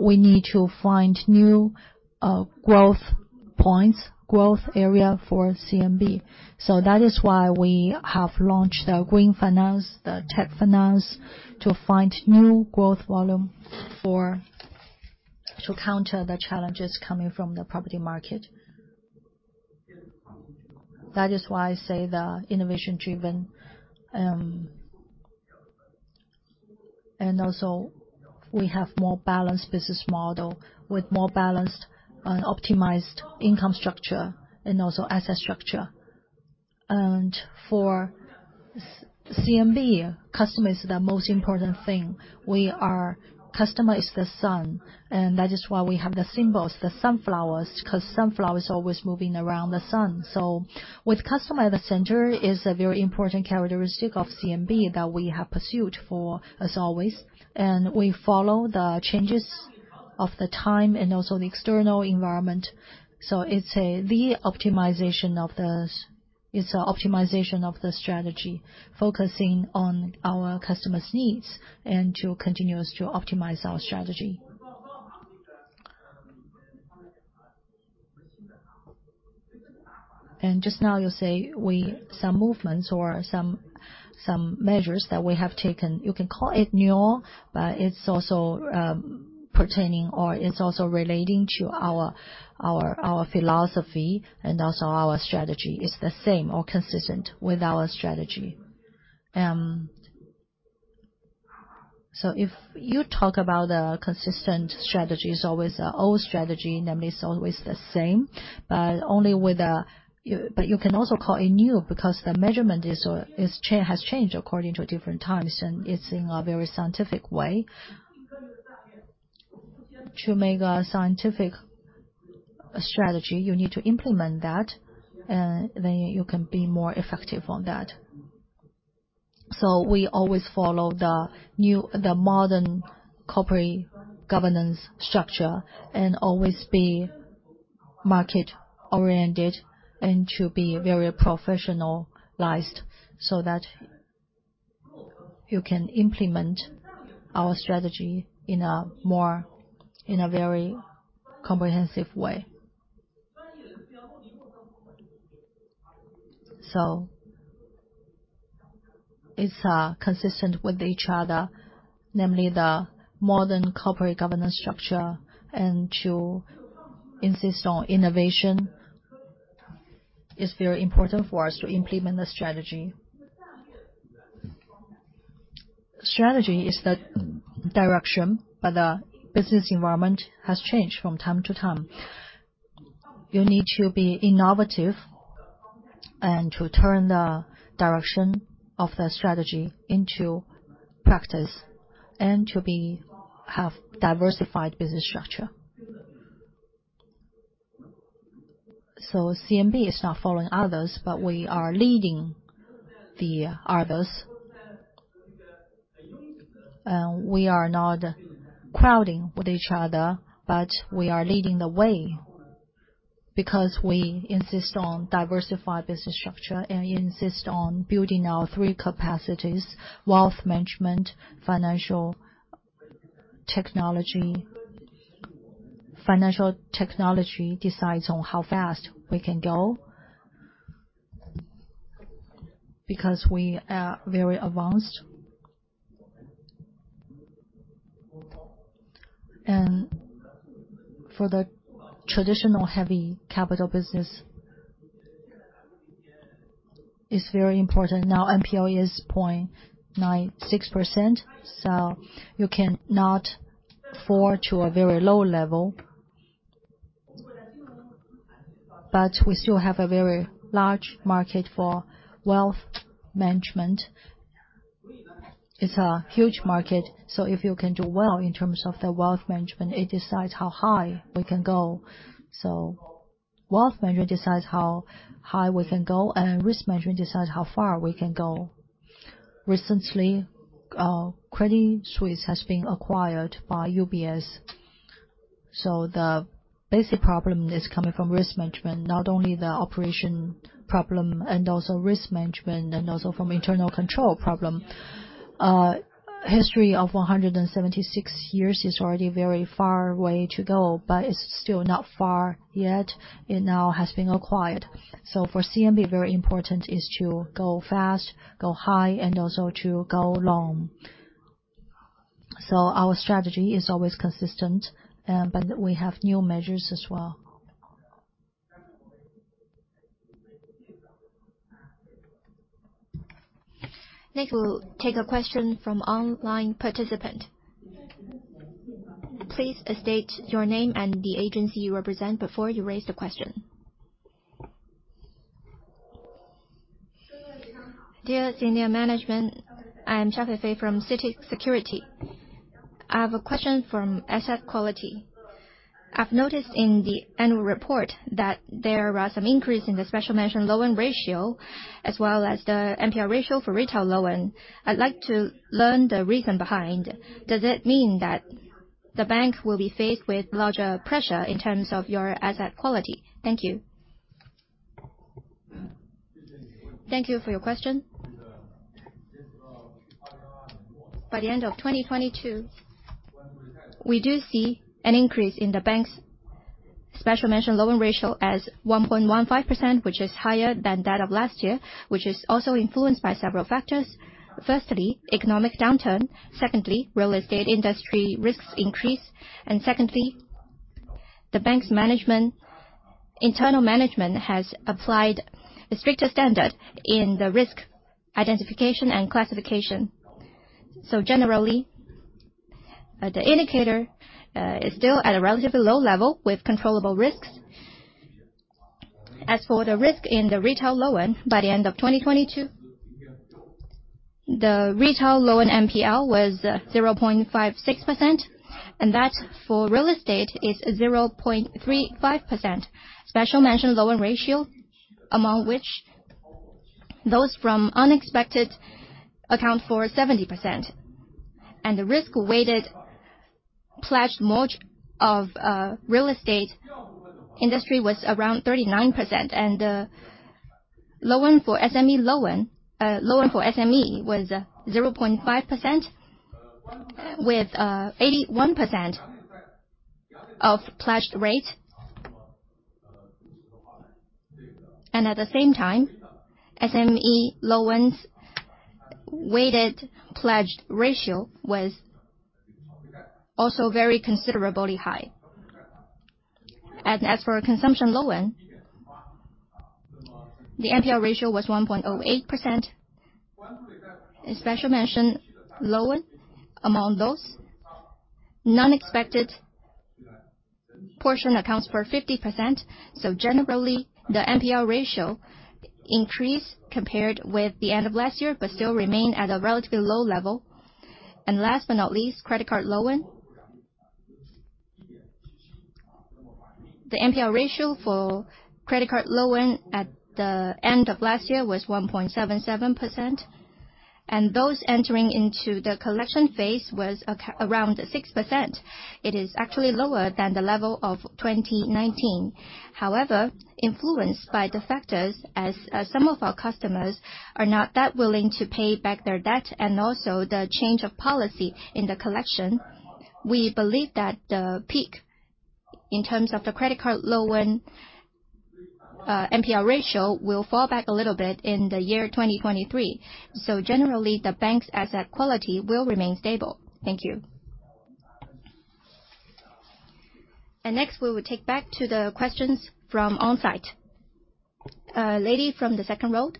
We need to find new, growth points, growth area for CMB. That is why we have launched the green finance, the tech finance to find new growth volume to counter the challenges coming from the property market. That is why I say the innovation driven, also we have more balanced business model with more balanced and optimized income structure and also asset structure. For CMB, customer is the most important thing. We are... Customer is the sun. That is why we have the symbols, the sunflowers, 'cause sunflower is always moving around the sun. With customer at the center is a very important characteristic of CMB that we have pursued for as always, and we follow the changes of the time and also the external environment. It's a optimization of the strategy, focusing on our customers' needs and to continuous to optimize our strategy. Just now, you say some movements or some measures that we have taken, you can call it new, but it's also pertaining or it's also relating to our philosophy and also our strategy. It's the same or consistent with our strategy. If you talk about consistent strategy is always an old strategy, namely it's always the same, but only with a... You can also call it new because the measurement is, has changed according to different times, and it's in a very scientific way. To make a scientific strategy, you need to implement that, and then you can be more effective on that. We always follow the modern corporate governance structure and always be market-oriented and to be very professionalized so that you can implement our strategy in a very comprehensive way. It's consistent with each other, namely the modern corporate governance structure, and to insist on innovation is very important for us to implement the strategy. Strategy is the direction. The business environment has changed from time to time. You need to be innovative and to turn the direction of the strategy into practice and to have diversified business structure. CMB is not following others, but we are leading the others. We are not crowding with each other, but we are leading the way because we insist on diversified business structure and insist on building our three capacities: wealth management, financial technology. Financial technology decides on how fast we can go because we are very advanced. For the traditional heavy capital business, it's very important. Now NPL is 0.96%, so you cannot fall to a very low level. We still have a very large market for wealth management. It's a huge market, so if you can do well in terms of the wealth management, it decides how high we can go. Wealth management decides how high we can go, and risk management decides how far we can go. Recently, Credit Suisse has been acquired by UBS. The basic problem is coming from risk management, not only the operation problem and also risk management, and also from internal control problem. History of 176 years is already very far way to go, but it's still not far yet. It now has been acquired. For CMB, very important is to go fast, go high, and also to go long. Our strategy is always consistent, but we have new measures as well. Nick, we'll take a question from online participant. Please state your name and the agency you represent before you raise the question. Dear senior management, I am Xiao Feifei from CITIC Securities. I have a question from asset quality. I've noticed in the annual report that there are some increase in the special mention loan ratio as well as the NPL ratio for retail loan. I'd like to learn the reason behind. Does it mean that the bank will be faced with larger pressure in terms of your asset quality? Thank you. Thank you for your question. By the end of 2022, we do see an increase in the bank's special mention loan ratio as 1.15%, which is higher than that of last year, which is also influenced by several factors. Firstly, economic downturn. Secondly, real estate industry risks increase. Secondly, the bank's internal management has applied a stricter standard in the risk identification and classification. Generally, the indicator is still at a relatively low level with controllable risks. As for the risk in the retail loan, by the end of 2022, the retail loan NPL was 0.56%, and that for real estate is 0.35%. Special mention loan ratio, among which Those from unexpected account for 70%. The risk-weighted pledged merge of real estate industry was around 39%. Loan for SME was 0.5%, with 81% of pledged rate. At the same time, SME loans weighted pledged ratio was also very considerably high. As for consumption loan, the NPL ratio was 1.08%. A special mention loan among those, non-expected portion accounts for 50%. Generally, the NPL ratio increased compared with the end of last year, but still remain at a relatively low level. Last but not least, credit card loan. The NPL ratio for credit card loan at the end of last year was 1.77%. Those entering into the collection phase was around 6%. It is actually lower than the level of 2019. However, influenced by the factors as some of our customers are not that willing to pay back their debt and also the change of policy in the collection, we believe that the peak in terms of the credit card loan NPL ratio will fall back a little bit in the year 2023. Generally, the bank's asset quality will remain stable. Thank you. Next, we will take back to the questions from on-site. Lady from the second row.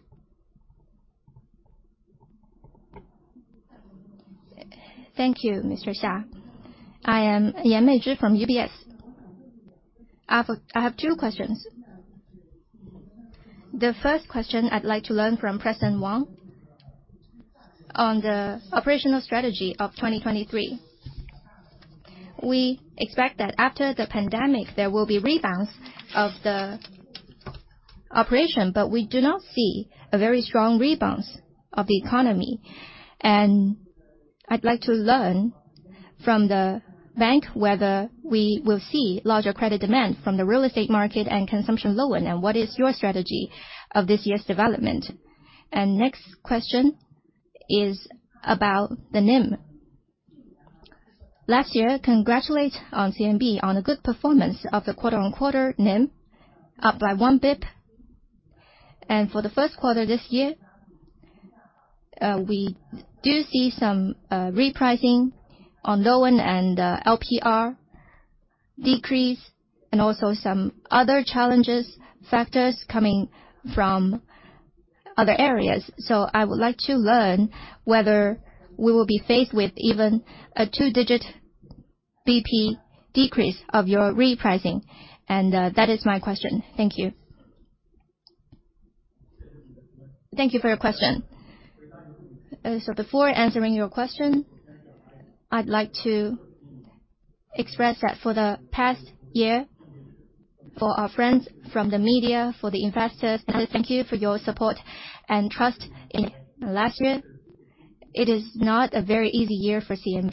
Thank you, Mr. Xia. I am May Yan from UBS. I have two questions. The first question I'd like to learn from President Wang on the operational strategy of 2023. We expect that after the pandemic, there will be rebounds of the operation, but we do not see a very strong rebounds of the economy. I'd like to learn from the bank, whether we will see larger credit demand from the real estate market and consumption loan, and what is your strategy of this year's development? Next question is about the NIM. Last year, congratulate on CMB on a good performance of the quarter-on-quarter NIM up by one basis point. For the first quarter this year, we do see some repricing on loan and LPR decrease and also some other challenges, factors coming from other areas. I would like to learn whether we will be faced with even a two-digit basis point decrease of your repricing. That is my question. Thank you. Thank you for your question. Before answering your question, I'd like to express that for the past year, for our friends from the media, for the investors, thank you for your support and trust in. Last year, it is not a very easy year for CMB.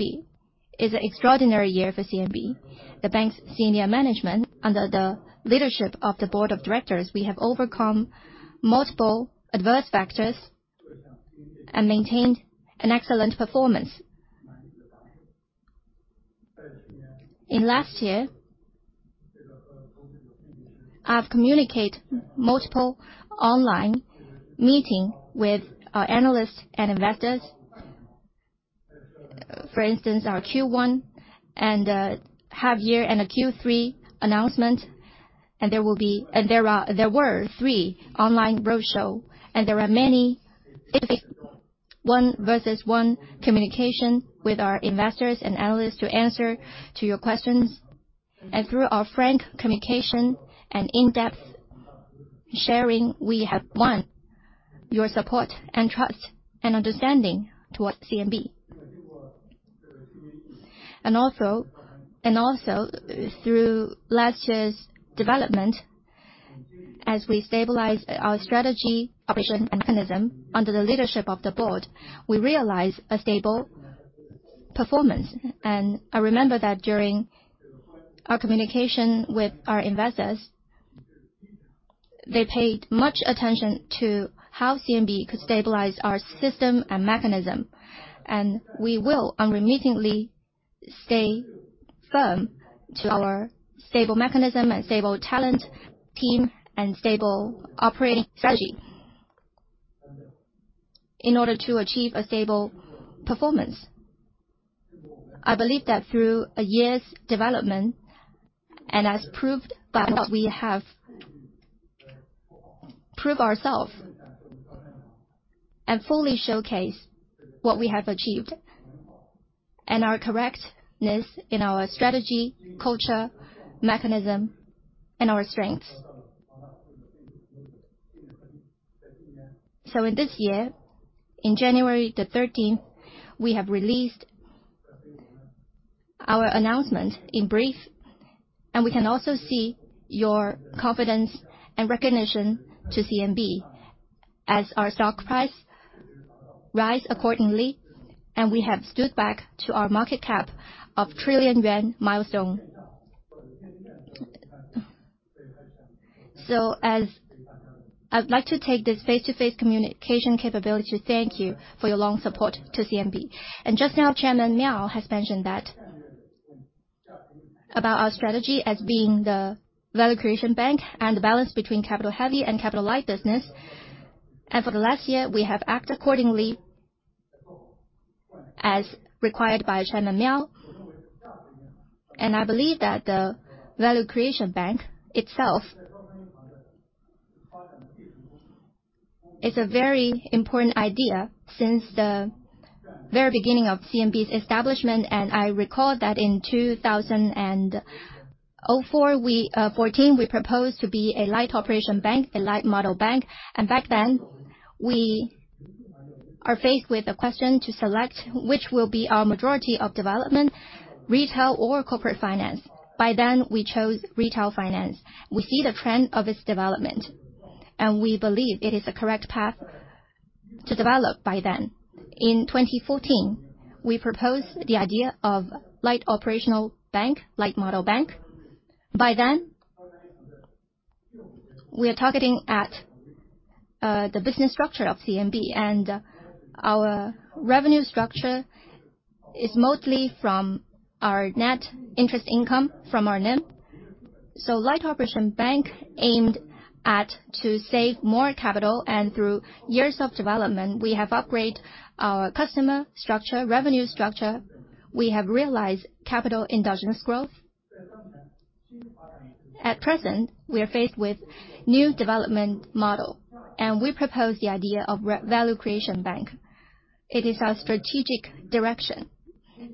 It's an extraordinary year for CMB. The bank's senior management, under the leadership of the board of directors, we have overcome multiple adverse factors and maintained an excellent performance. Last year, I've communicate multiple online meeting with our analysts and investors. For instance, our Q1 and half year and a Q3 announcement. There were three online roadshow, and there are many one-versus-one communication with our investors and analysts to answer to your questions. Through our frank communication and in-depth sharing, we have won your support, and trust, and understanding towards CMB. Also, through last year's development, as we stabilize our strategy, operation and mechanism under the leadership of the board, we realize a stable performance. I remember that during our communication with our investors, they paid much attention to how CMB could stabilize our system and mechanism. We will unremittingly stay firm to our stable mechanism and stable talent team and stable operating strategy in order to achieve a stable performance. I believe that through a year's development, and as proved by what we have prove ourselves and fully showcase what we have achieved and our correctness in our strategy, culture, mechanism, and our strengths. In this year, in January the 13th, we have released our announcement in brief, and we can also see your confidence and recognition to CMB as our stock price rose accordingly, and we have stood back to our market cap of 1 trillion yuan milestone. I'd like to take this face-to-face communication capability to thank you for your long support to CMB. Just now, Chairman Miao has mentioned that. About our strategy as being the value creation bank and the balance between capital-heavy and capital-light business. For the last year, we have acted accordingly as required by Chairman Miao. I believe that the value creation bank itself is a very important idea since the very beginning of CMB's establishment. I recall that in 2004, we, 2014, we proposed to be a light operation bank, a light model bank. Back then, we are faced with the question to select which will be our majority of development, retail or corporate finance. By then, we chose retail finance. We see the trend of its development, and we believe it is the correct path to develop by then. In 2014, we proposed the idea of light operational bank, light model bank. By then, we are targeting at the business structure of CMB, and our revenue structure is mostly from our net interest income from our NIM. Light operation bank aimed at to save more capital, and through years of development, we have upgraded our customer structure, revenue structure. We have realized capital endogenous growth. At present, we are faced with new development model, and we propose the idea of value creation bank. It is our strategic direction.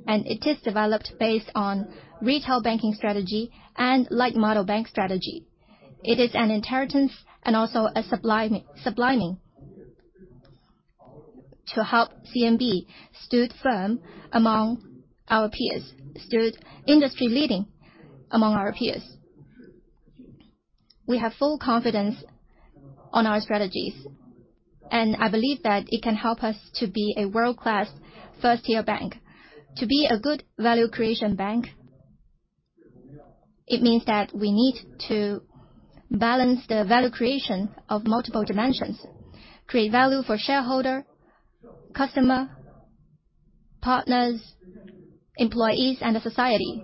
It is developed based on retail banking strategy and light model bank strategy. It is an inheritance and also a subliming to help CMB stood firm among our peers, stood industry-leading among our peers. We have full confidence on our strategies. I believe that it can help us to be a world-class first-tier bank. To be a good value creation bank, it means that we need to balance the value creation of multiple dimensions, create value for shareholder, customer, partners, employees, and the society.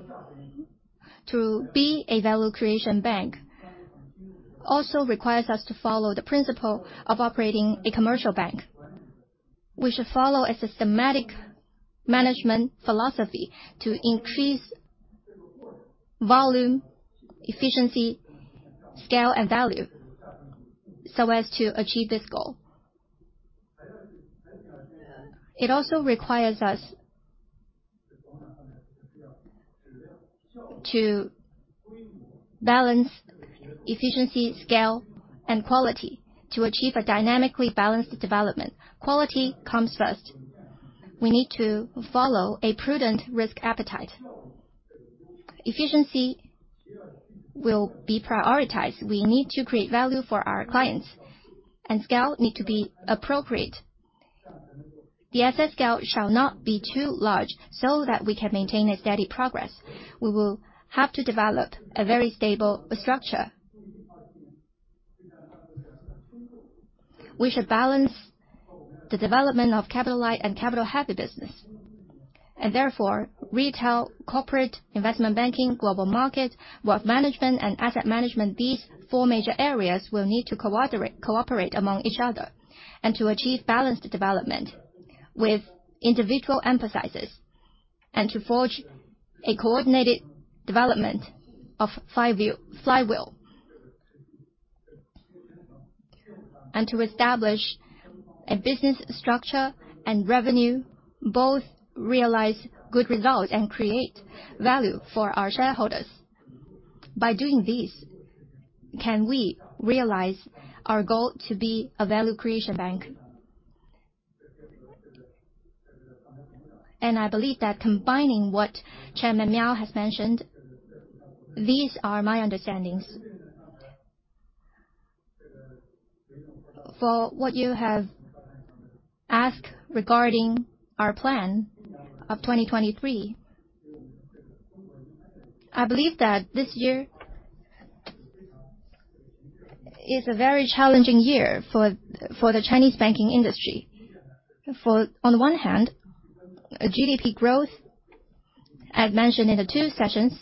To be a value creation bank also requires us to follow the principle of operating a commercial bank. We should follow a systematic management philosophy to increase volume, efficiency, scale, and value so as to achieve this goal. It also requires us to balance efficiency, scale, and quality to achieve a dynamically balanced development. Quality comes first. We need to follow a prudent risk appetite. Efficiency will be prioritized. We need to create value for our clients, and scale need to be appropriate. The asset scale shall not be too large so that we can maintain a steady progress. We will have to develop a very stable structure. We should balance the development of capital-light and capital-heavy business. Therefore, retail, corporate, investment banking, global market, wealth management, and asset management, these four major areas will need to cooperate among each other and to achieve balanced development with individual emphasizes and to forge a coordinated development of flywheel. To establish a business structure and revenue, both realize good results and create value for our shareholders. By doing this, can we realize our goal to be a value creation bank. I believe that combining what Chairman Miao has mentioned, these are my understandings. For what you have asked regarding our plan of 2023, I believe that this year is a very challenging year for the Chinese banking industry. On one hand, a GDP growth, as mentioned in the Two Sessions,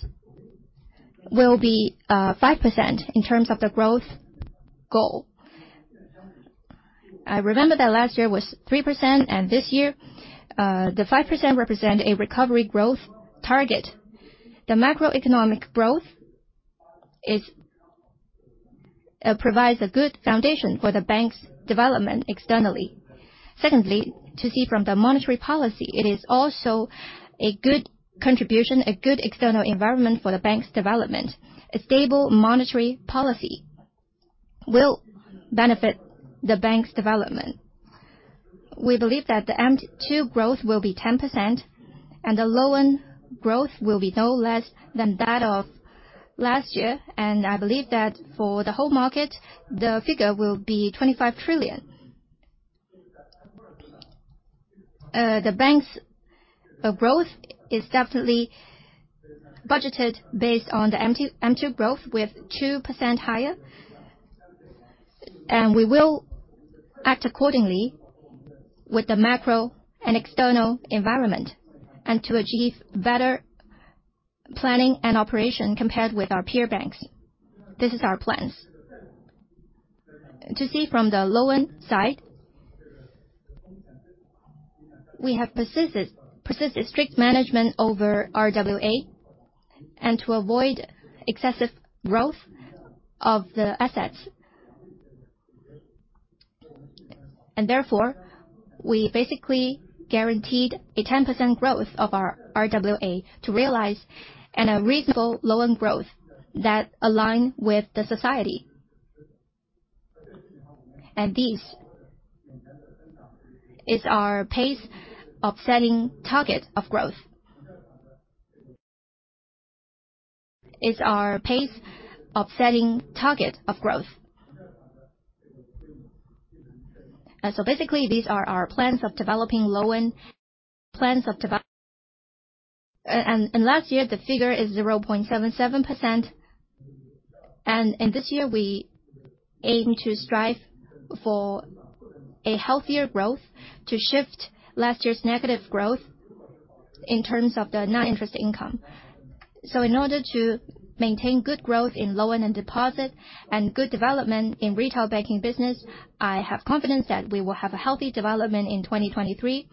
will be 5% in terms of the growth goal. I remember that last year was 3%, and this year, the 5% represent a recovery growth target. The macroeconomic growth provides a good foundation for the bank's development externally. Secondly, to see from the monetary policy, it is also a good contribution, a good external environment for the bank's development. A stable monetary policy will benefit the bank's development. We believe that the M2 growth will be 10% and the loan growth will be no less than that of last year. I believe that for the whole market, the figure will be 25 trillion. The bank's growth is definitely budgeted based on the M2 growth with 2% higher. We will act accordingly with the macro and external environment and to achieve better planning and operation compared with our peer banks. This is our plans. To see from the loan side, we have persisted strict management over RWA and to avoid excessive growth of the assets. Therefore, we basically guaranteed a 10% growth of our RWA to realize and a reasonable loan growth that align with the society. This is our pace of setting target of growth. Basically these are our plans of developing loan. Last year the figure is 0.77%. This year we aim to strive for a healthier growth to shift last year's negative growth in terms of the non-interest income. In order to maintain good growth in loan and deposit and good development in retail banking business, I have confidence that we will have a healthy development in 2023.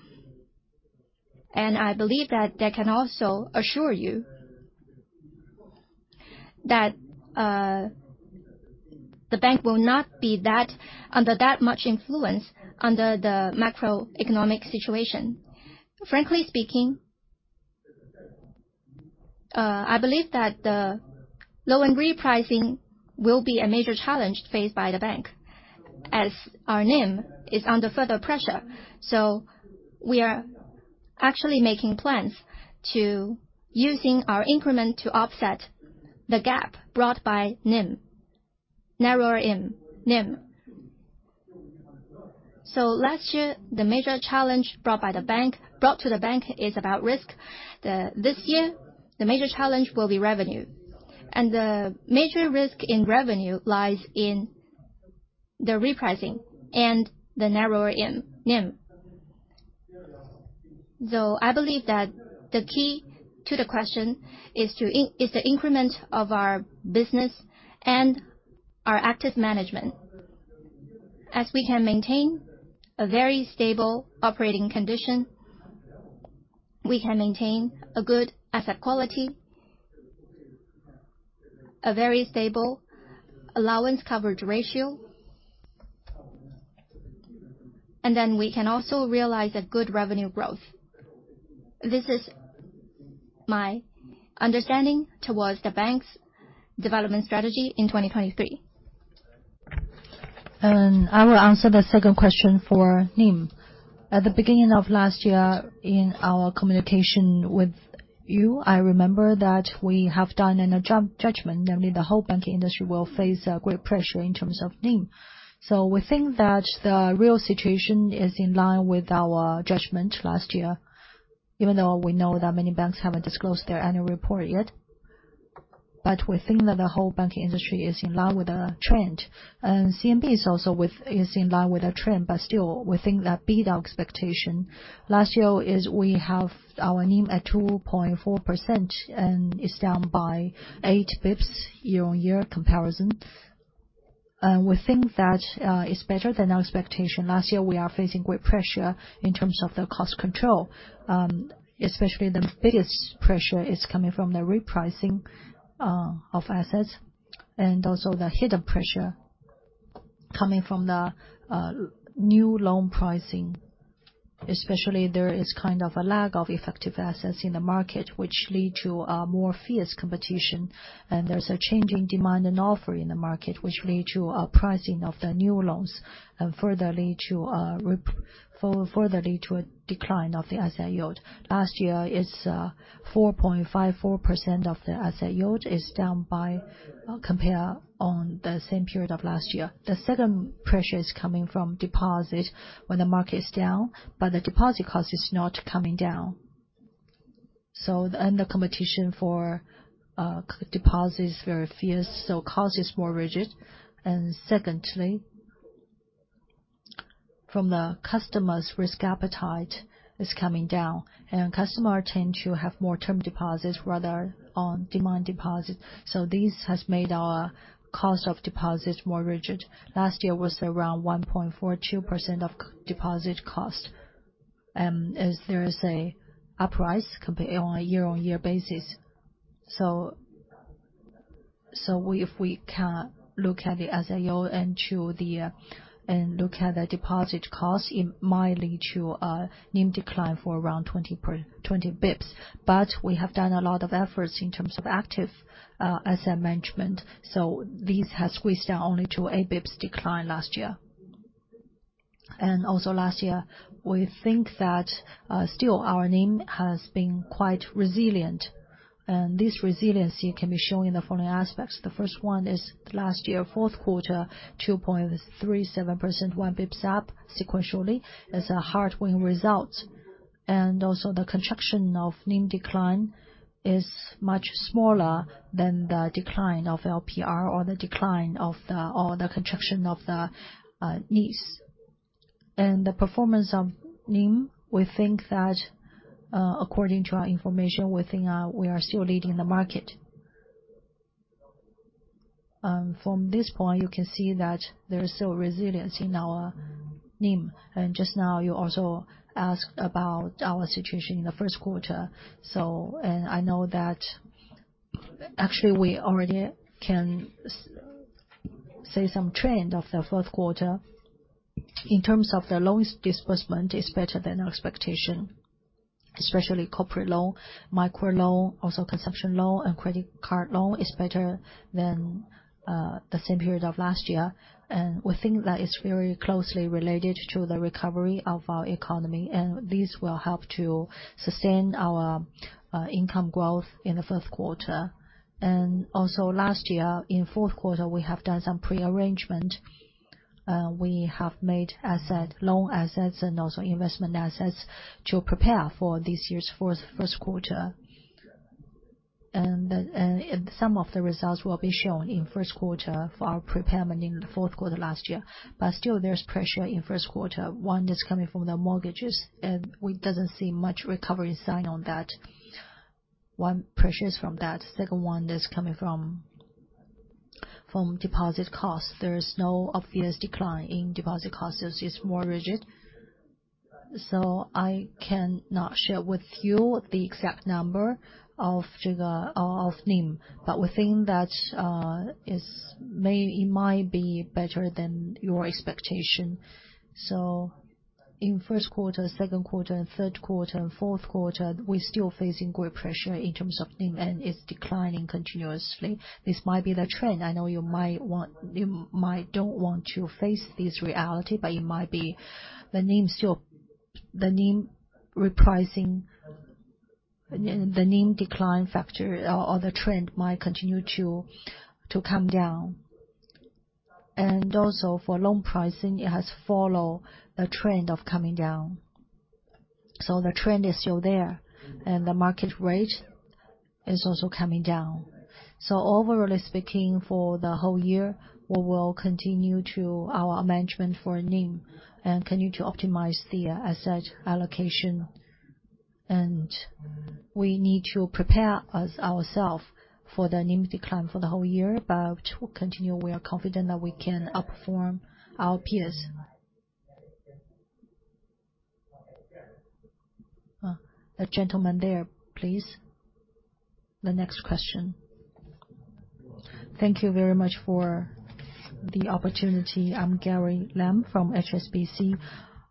I believe that that can also assure you that the bank will not be under that much influence under the macroeconomic situation. Frankly speaking, I believe that the loan repricing will be a major challenge faced by the bank as our NIM is under further pressure. We are actually making plans to using our increment to offset the gap brought by NIM, narrower NIM. Last year, the major challenge brought to the bank is about risk. This year, the major challenge will be revenue, and the major risk in revenue lies in the repricing and the narrower NIM. I believe that the key to the question is the increment of our business and our active management. We can maintain a very stable operating condition, we can maintain a good asset quality. A very stable allowance coverage ratio. We can also realize a good revenue growth. This is my understanding towards the bank's development strategy in 2023. I will answer the second question for NIM. At the beginning of last year, in our communication with you, I remember that we have done in a judgment, namely the whole banking industry will face great pressure in terms of NIM. We think that the real situation is in line with our judgment last year, even though we know that many banks haven't disclosed their annual report yet. We think that the whole banking industry is in line with the trend, and CMB is also in line with the trend, but still we think that beat our expectation. Last year is we have our NIM at 2.4%, and it's down by 8 bps year-on-year comparison. We think that it's better than our expectation. Last year we are facing great pressure in terms of the cost control, especially the biggest pressure is coming from the repricing of assets and also the hidden pressure coming from the new loan pricing especially. There is kind of a lack of effective assets in the market, which lead to a more fierce competition. There's a change in demand and offer in the market, which lead to a pricing of the new loans. Further lead to a decline of the asset yield. Last year is 4.54% of the asset yield is down by compare on the same period of last year. The second pressure is coming from deposit when the market is down, but the deposit cost is not coming down. The competition for deposits very fierce, cost is more rigid. Secondly, from the customers risk appetite is coming down, customer tend to have more term deposits rather on demand deposits. This has made our cost of deposits more rigid. Last year was around 1.42% of deposit cost. As there is an uprise compare on a year-on-year basis. If we can look at the asset yield and look at the deposit cost, it might lead to a NIM decline for around 20 basis points. We have done a lot of efforts in terms of active asset management, so this has squeezed down only to 8 basis points decline last year. Last year, we think that still our NIM has been quite resilient, and this resiliency can be shown in the following aspects. The first one is last year, fourth quarter, 2.37%, 1 basis point up sequentially is a heartening result. The construction of NIM decline is much smaller than the decline of LPR or the decline of the NIS. The performance of NIM, we think that according to our information, we think we are still leading the market. From this point, you can see that there is still resilience in our NIM. Just now, you also asked about our situation in the first quarter. I know that actually we already can say some trend of the fourth quarter in terms of the lowest disbursement is better than our expectation, especially corporate loan, micro loan, also consumption loan and credit card loan is better than the same period of last year. We think that is very closely related to the recovery of our economy, and this will help to sustain our income growth in the first quarter. Also last year, in fourth quarter, we have done some pre-arrangement. We have made asset, loan assets and also investment assets to prepare for this year's first quarter. Some of the results will be shown in first quarter for our preparation in the fourth quarter last year. Still there's pressure in first quarter. One is coming from the mortgages, we doesn't see much recovery sign on that. One pressure is from that. Second one is coming from deposit costs. There is no obvious decline in deposit costs, it's just more rigid. I cannot share with you the exact number of the NIM. We think that it might be better than your expectation. In first quarter, second quarter and third quarter and fourth quarter, we're still facing great pressure in terms of NIM, and it's declining continuously. This might be the trend. I know you might don't want to face this reality, it might be the NIM still... The NIM repricing... The NIM decline factor or the trend might continue to come down. Also for loan pricing, it has follow the trend of coming down. The trend is still there, and the market rate is also coming down. Overall speaking, for the whole year, we will continue to our management for NIM and continue to optimize the asset allocation. We need to prepare ourselves for the NIM decline for the whole year. To continue, we are confident that we can outperform our peers. The gentleman there, please. The next question. Thank you very much for the opportunity. I'm Gary Lam from HSBC.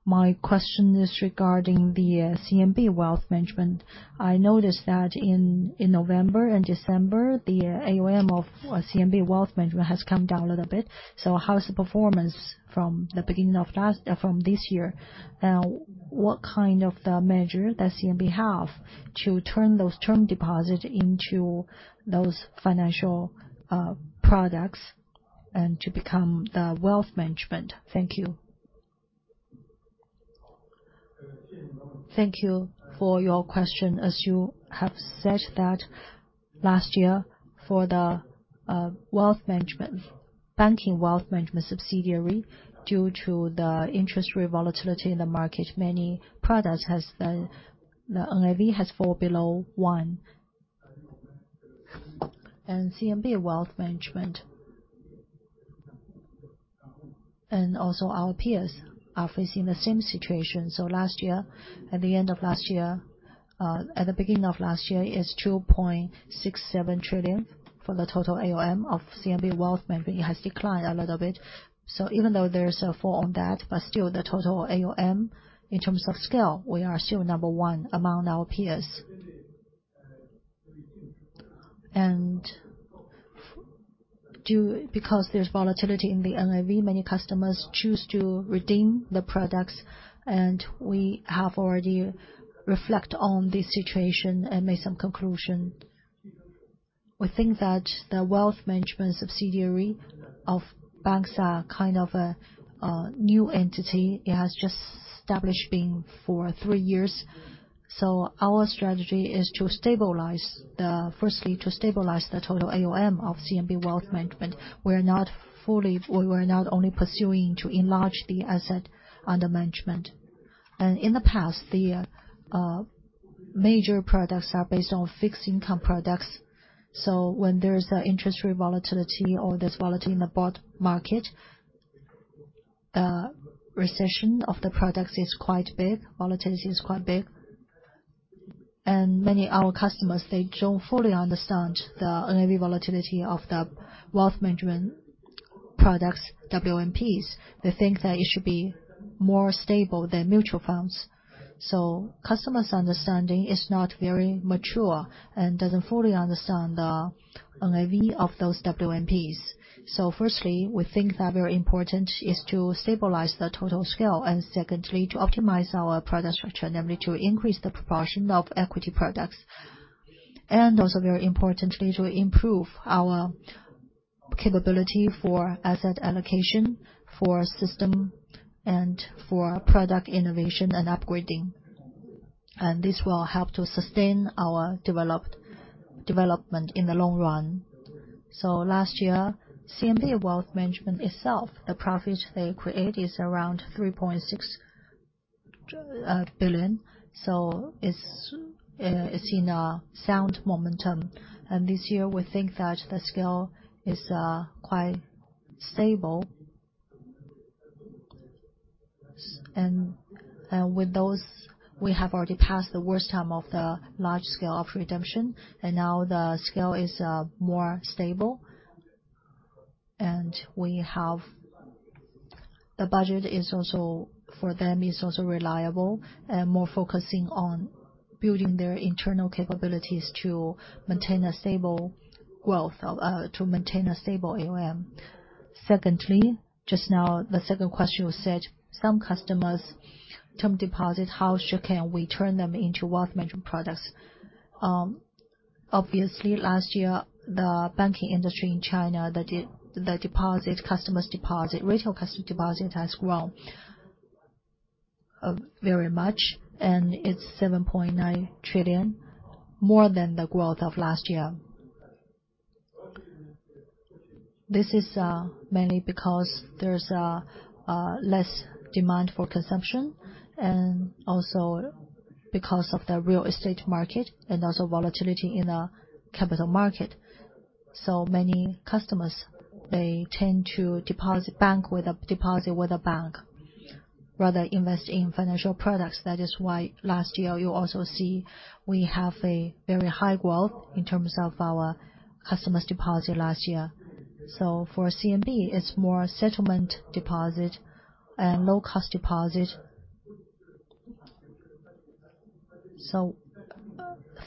My question is regarding the CMB Wealth Management. I noticed that in November and December, the AUM of CMB Wealth Management has come down a little bit. How is the performance from the beginning of this year? What kind of the measure does CMB have to turn those term deposits into those financial products and to become the wealth management? Thank you. Thank you for your question. As you have said that last year, for the banking wealth management subsidiary, due to the interest rate volatility in the market, many products the NAV has fallen below 1. CMB Wealth Management, and also our peers are facing the same situation. Last year, at the end of last year, at the beginning of last year is 2.67 trillion for the total AUM of CMB Wealth Management. It has declined a little bit. Even though there's a fall on that, but still the total AUM in terms of scale, we are still number one among our peers. Because there's volatility in the NAV, many customers choose to redeem the products, and we have already reflect on the situation and made some conclusion. We think that the wealth management subsidiary of banks are kind of a new entity. It has just established being for three years. Our strategy is to stabilize firstly, to stabilize the total AUM of CMB Wealth Management. We were not only pursuing to enlarge the asset under management. In the past, the major products are based on fixed income products. When there's interest rate volatility or there's volatility in the bond market, recession of the products is quite big, volatility is quite big. Our customers, they don't fully understand the NAV volatility of the wealth management products, WMPs. They think that it should be more stable than mutual funds. So customers' understanding is not very mature and doesn't fully understand the NAV of those WMPs. Firstly, we think that very important is to stabilize the total scale and secondly, to optimize our product structure, namely to increase the proportion of equity products. Also very importantly, to improve our capability for asset allocation, for system and for product innovation and upgrading. This will help to sustain our development in the long run. Last year, CMB Wealth Management itself, the profit they create is around 3.6 billion. It's in a sound momentum. This year, we think that the scale is quite stable. With those, we have already passed the worst time of the large scale of redemption, and now the scale is more stable. The budget is also, for them, is also reliable. More focusing on building their internal capabilities to maintain a stable AUM. Secondly, just now, the second question was said, some customers' term deposit, how can we turn them into wealth management products? Obviously last year, the banking industry in China, the deposit, customers' deposit, retail customer deposit has grown very much. It's 7.9 trillion, more than the growth of last year. This is mainly because there's less demand for consumption, and also because of the real estate market and also volatility in the capital market. Many customers, they tend to deposit with a bank rather invest in financial products. That is why last year you also see we have a very high growth in terms of our customers' deposit last year. For CMB, it's more settlement deposit and low-cost deposit.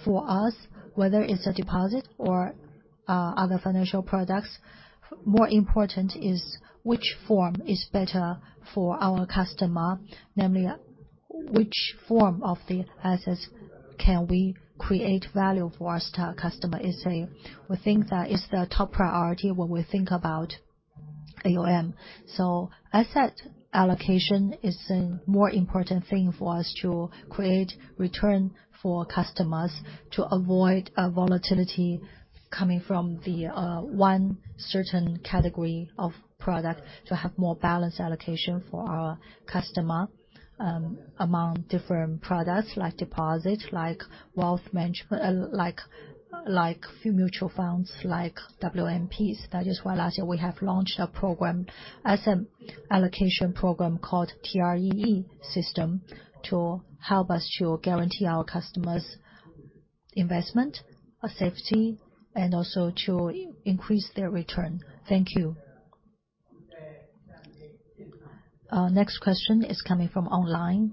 For us, whether it's a deposit or other financial products, more important is which form is better for our customer. Namely, which form of the assets can we create value for our star customer? We think that is the top priority when we think about AUM. Asset allocation is a more important thing for us to create return for customers to avoid volatility coming from one certain category of product to have more balanced allocation for our customer among different products like deposit, like wealth management, like mutual funds, like WMPs. That is why last year we have launched a program, asset allocation program called TREE system to help us to guarantee our customers investment or safety and also to increase their return. Thank you. Our next question is coming from online.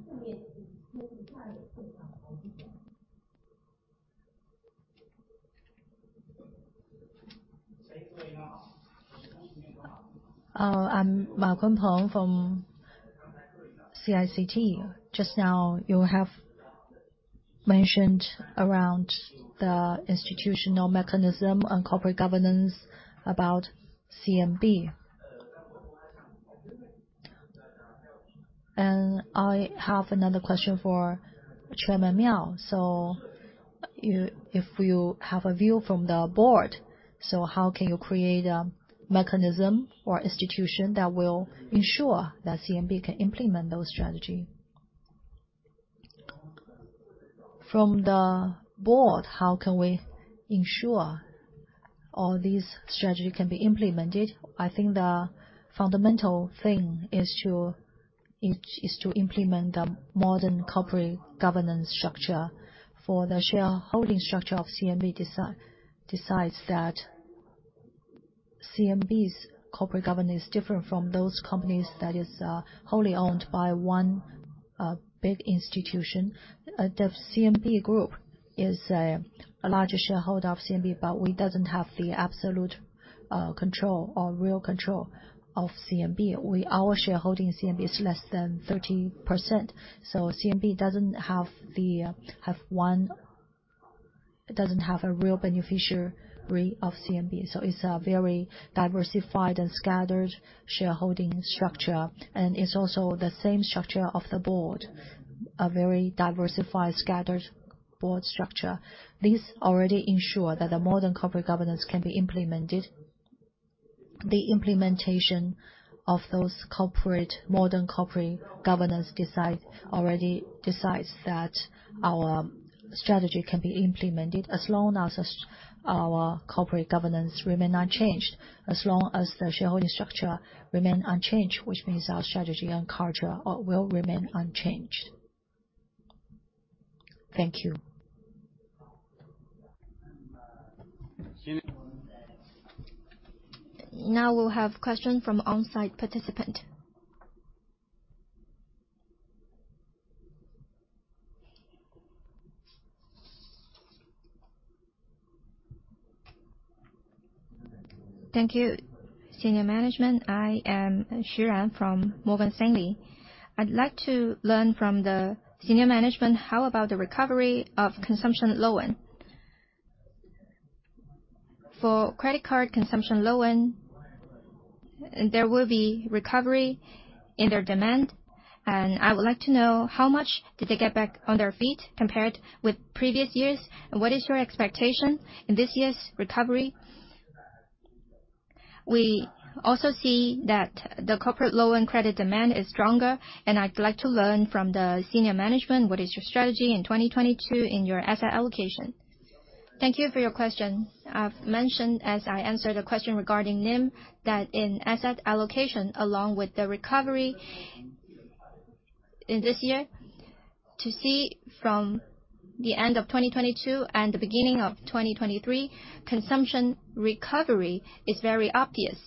I'm Bagwan Palm from CICT. Just now, you have mentioned around the institutional mechanism on corporate governance about CMB. I have another question for Chairman Miao. If you have a view from the board, how can you create a mechanism or institution that will ensure that CMB can implement those strategy? From the board, how can we ensure all these strategy can be implemented? I think the fundamental thing is to implement the modern corporate governance structure. For the shareholding structure of CMB decides that CMB's corporate governance is different from those companies that is wholly owned by one big institution. The CMB Group is a larger shareholder of CMB, but we doesn't have the absolute control or real control of CMB. Our shareholding in CMB is less than 30%, CMB doesn't have a real beneficiary of CMB. It's a very diversified and scattered shareholding structure. It's also the same structure of the board, a very diversified, scattered board structure. This already ensure that the modern corporate governance can be implemented. The implementation of those corporate, modern corporate governance already decides that our strategy can be implemented as long as our corporate governance remain unchanged, as long as the shareholding structure remain unchanged, which means our strategy and culture will remain unchanged. Thank you. Now we'll have question from on-site participant. Thank you, senior management. I am Sharon from Morgan Stanley. I'd like to learn from the senior management, how about the recovery of consumption loan? For credit card consumption loan, there will be recovery in their demand. I would like to know how much did they get back on their feet compared with previous years. What is your expectation in this year's recovery? We also see that the corporate loan credit demand is stronger. I'd like to learn from the senior management what is your strategy in 2022 in your asset allocation. Thank you for your question. I've mentioned as I answered a question regarding NIM, that in asset allocation, along with the recovery in this year, to see from the end of 2022 and the beginning of 2023, consumption recovery is very obvious,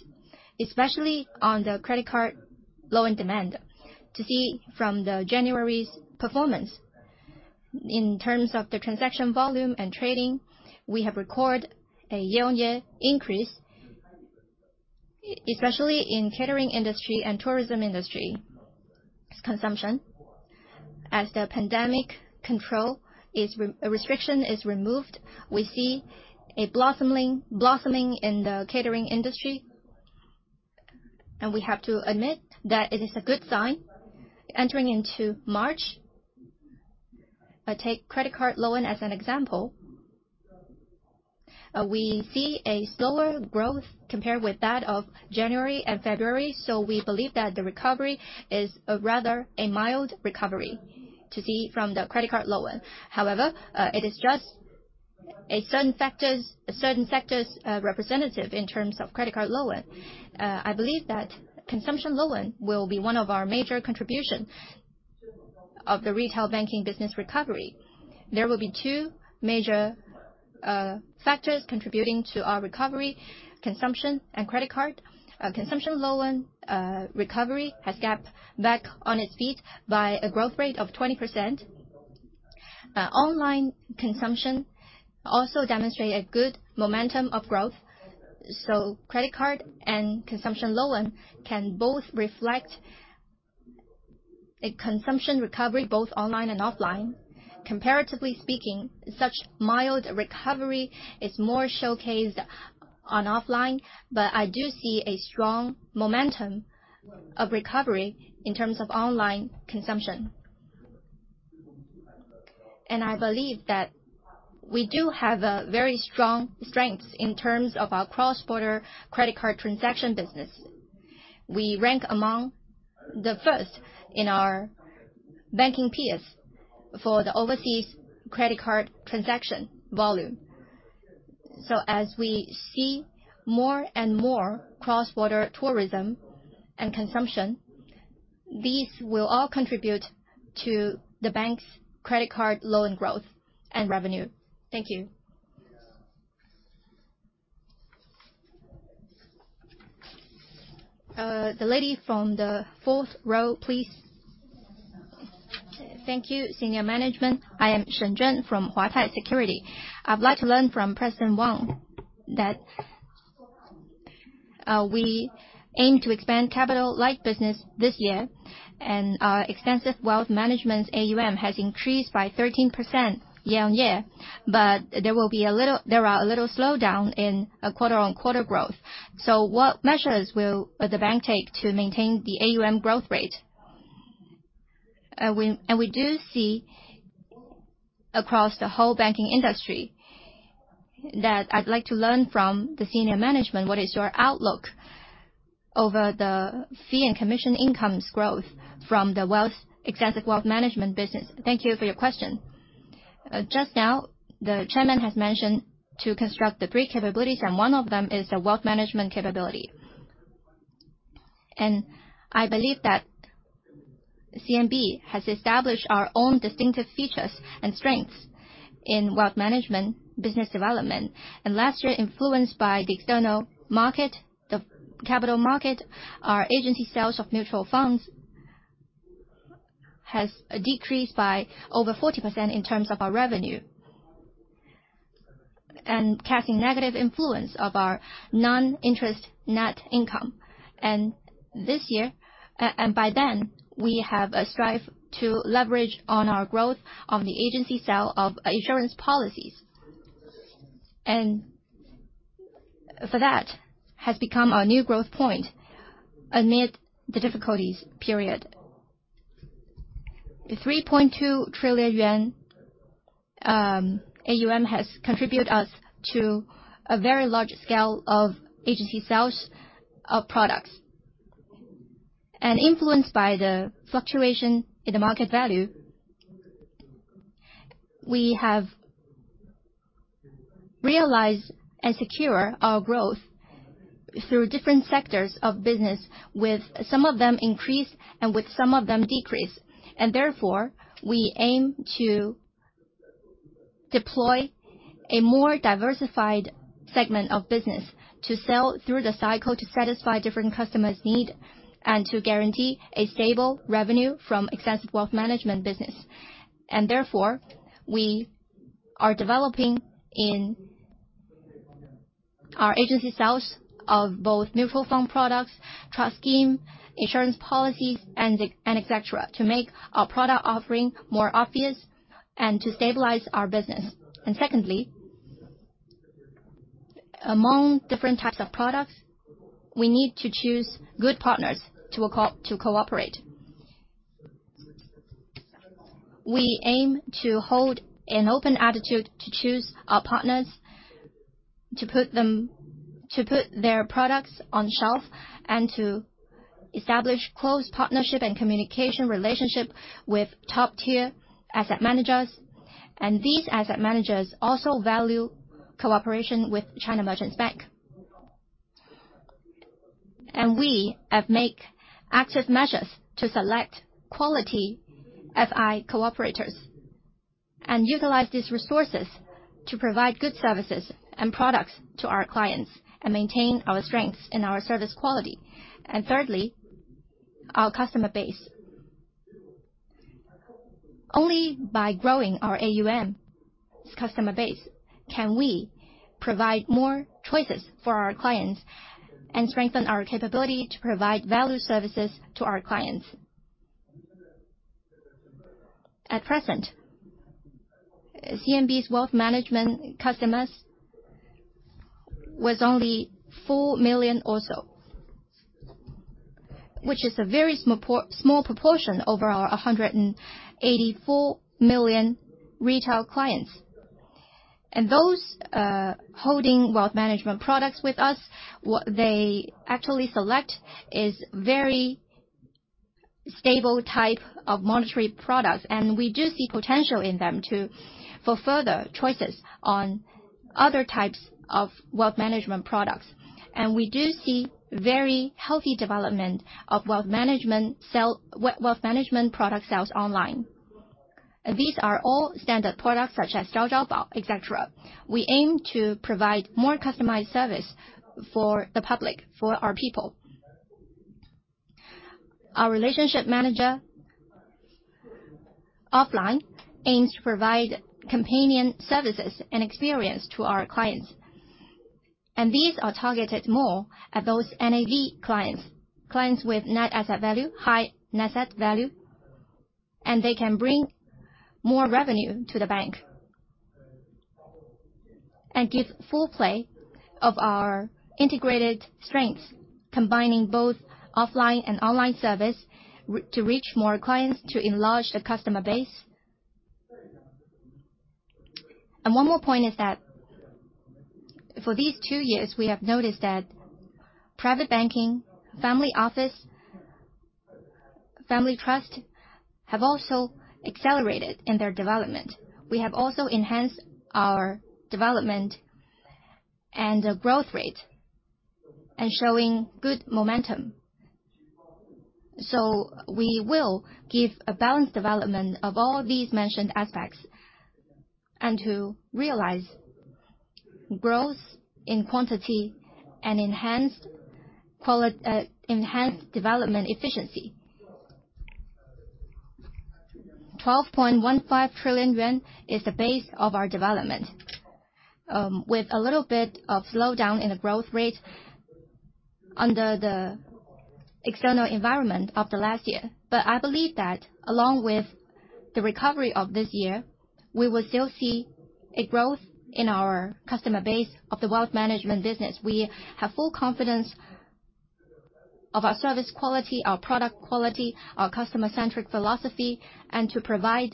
especially on the credit card loan demand. To see from the January's performance, in terms of the transaction volume and trading, we have record a year-on-year increase, especially in catering industry and tourism industry consumption. As the pandemic control restriction is removed, we see a blossoming in the catering industry, we have to admit that it is a good sign entering into March. Take credit card loan as an example, we see a slower growth compared with that of January and February. We believe that the recovery is a rather a mild recovery to see from the credit card loan. However, it is just certain sectors representative in terms of credit card loan. I believe that consumption loan will be one of our major contribution of the retail banking business recovery. There will be two major factors contributing to our recovery: consumption and credit card. Consumption loan recovery has got back on its feet by a growth rate of 20%. Online consumption also demonstrate a good momentum of growth. Credit card and consumption loan can both reflect a consumption recovery, both online and offline. Comparatively speaking, such mild recovery is more showcased on offline, but I do see a strong momentum of recovery in terms of online consumption. I believe that we do have a very strong strength in terms of our cross-border credit card transaction business. We rank among the first in our banking peers for the overseas credit card transaction volume. As we see more and more cross-border tourism and consumption, these will all contribute to the bank's credit card loan growth and revenue. Thank you. The lady from the fourth row, please. Thank you, senior management. I am Shen Juan from Huatai Securities. I'd like to learn from President Wang that we aim to expand capital light business this year, and our extensive wealth management AUM has increased by 13% year-on-year. There are a little slowdown in quarter-on-quarter growth. What measures will the bank take to maintain the AUM growth rate? We. We do see across the whole banking industry that I'd like to learn from the senior management what is your outlook over the fee and commission income's growth from the extensive wealth management business. Thank you for your question. Just now, the Chairman has mentioned to construct the three capabilities, and one of them is the wealth management capability. I believe that CMB has established our own distinctive features and strengths in wealth management business development. Last year, influenced by the external market, the capital market, our agency sales of mutual funds has decreased by over 40% in terms of our revenue, and casting negative influence of our non-interest net income. By then, we have a strive to leverage on our growth of the agency sale of insurance policies. For that, has become our new growth point amid the difficulties period. The 3.2 trillion yuan AUM has contribute us to a very large scale of agency sales of products. Influenced by the fluctuation in the market value, we have realized and secure our growth through different sectors of business with some of them increase and with some of them decrease. Therefore, we aim to deploy a more diversified segment of business to sell through the cycle to satisfy different customers' need and to guarantee a stable revenue from extensive wealth management business. Therefore, we are developing in our agency sales of both mutual fund products, trust scheme, insurance policies and etc., to make our product offering more obvious and to stabilize our business. Secondly, among different types of products, we need to choose good partners to cooperate. We aim to hold an open attitude to choose our partners, to put their products on shelf and to establish close partnership and communication relationship with top-tier asset managers. These asset managers also value cooperation with China Merchants Bank. We have make active measures to select quality FI cooperators and utilize these resources to provide good services and products to our clients and maintain our strengths and our service quality. Thirdly, our customer base. Only by growing our AUM's customer base can we provide more choices for our clients and strengthen our capability to provide value services to our clients. At present, CMB's wealth management customers was only 4 million or so, which is a very small proportion over our 184 million retail clients. Those holding wealth management products with us, what they actually select is very stable type of monetary products. We do see potential in them for further choices on other types of wealth management products. We do see very healthy development of wealth management product sales online. These are all standard products such as Xiao Xiao Bao, etc. We aim to provide more customized service for the public, for our people. Our relationship manager offline aims to provide companion services and experience to our clients. These are targeted more at those NAV clients with net asset value, high net asset value, and they can bring more revenue to the bank. Give full play of our integrated strengths, combining both offline and online service to reach more clients to enlarge the customer base. One more point is that for these 2 years, we have noticed that private banking, family office, family trust, have also accelerated in their development. We have also enhanced our development and growth rate, and showing good momentum. We will give a balanced development of all these mentioned aspects, and to realize growth in quantity and enhanced development efficiency. 12.15 trillion yuan is the base of our development, with a little bit of slowdown in the growth rate under the external environment of the last year. I believe that along with the recovery of this year, we will still see a growth in our customer base of the wealth management business. We have full confidence of our service quality, our product quality, our customer-centric philosophy, and to provide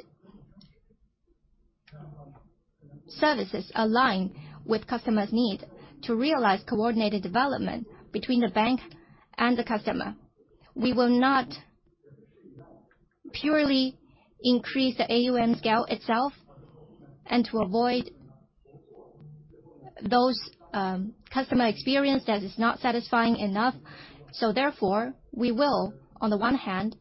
services aligned with customers' need to realize coordinated development between the bank and the customer. We will not purely increase the AUM scale itself and to avoid those customer experience that is not satisfying enough. Therefore, we will, on the one hand,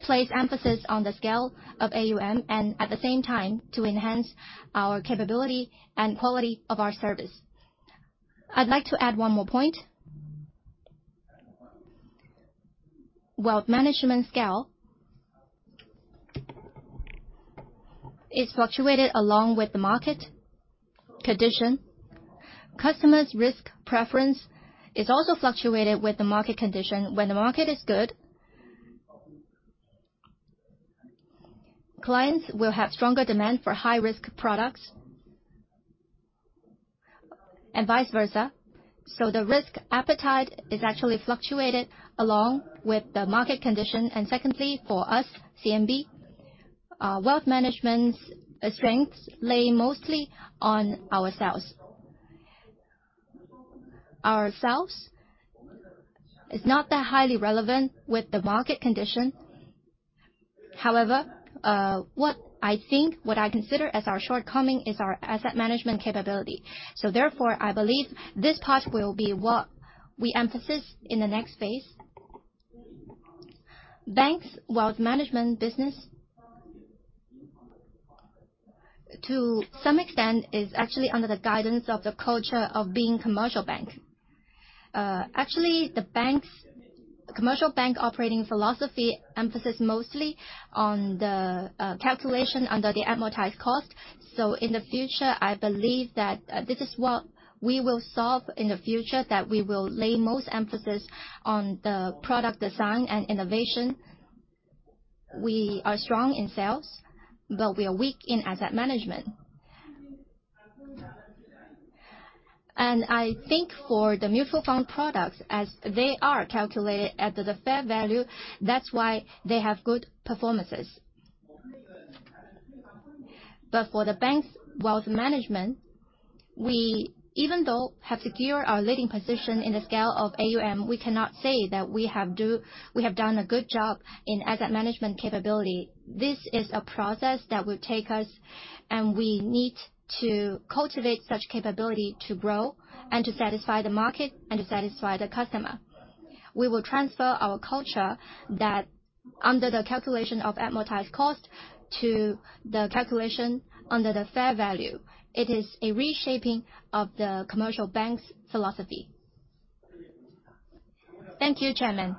place emphasis on the scale of AUM and at the same time to enhance our capability and quality of our service. I'd like to add one more point. Wealth management scale is fluctuated along with the market condition. Customers' risk preference is also fluctuated with the market condition. When the market is good, clients will have stronger demand for high-risk products, and vice versa. The risk appetite is actually fluctuated along with the market condition. Secondly, for us, CMB, our wealth management's strengths lay mostly on our sales. Our sales is not that highly relevant with the market condition. However, what I think, what I consider as our shortcoming is our asset management capability. Therefore, I believe this part will be what we emphasis in the next phase. Bank's wealth management business. To some extent, is actually under the guidance of the culture of being commercial bank. Actually, the commercial bank operating philosophy emphasis mostly on the calculation under the amortised cost. In the future, I believe that this is what we will solve in the future, that we will lay most emphasis on the product design and innovation. We are strong in sales, but we are weak in asset management. I think for the mutual fund products, as they are calculated at the fair value, that's why they have good performances. For the bank's wealth management, we even though have secured our leading position in the scale of AUM, we cannot say that we have done a good job in asset management capability. This is a process that will take us, and we need to cultivate such capability to grow and to satisfy the market and to satisfy the customer. We will transfer our culture that under the calculation of amortised cost to the calculation under the fair value. It is a reshaping of the commercial bank's philosophy. Thank you, Chairman.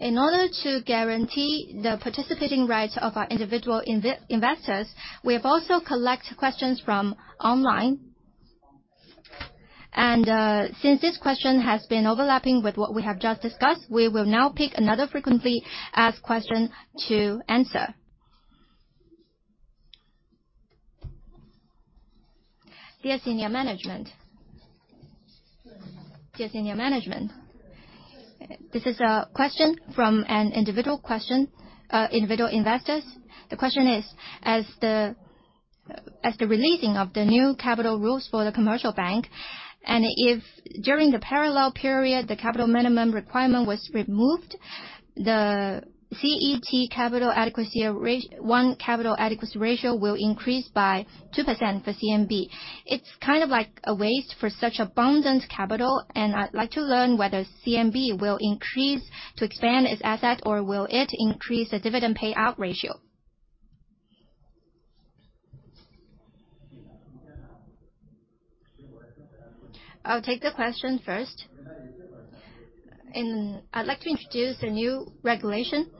In order to guarantee the participating rights of our individual investors, we have also collect questions from online. Since this question has been overlapping with what we have just discussed, we will now pick another frequently asked question to answer. Dear senior management, this is a question from individual investors. The question is: as the releasing of the new capital rules for the commercial bank, and if during the parallel period, the capital minimum requirement was removed, the CET1 capital adequacy ratio will increase by 2% for CMB. It's kind of like a waste for such abundant capital, and I'd like to learn whether CMB will increase to expand its asset, or will it increase the dividend payout ratio? I'll take the question first. I'd like to introduce a new regulation.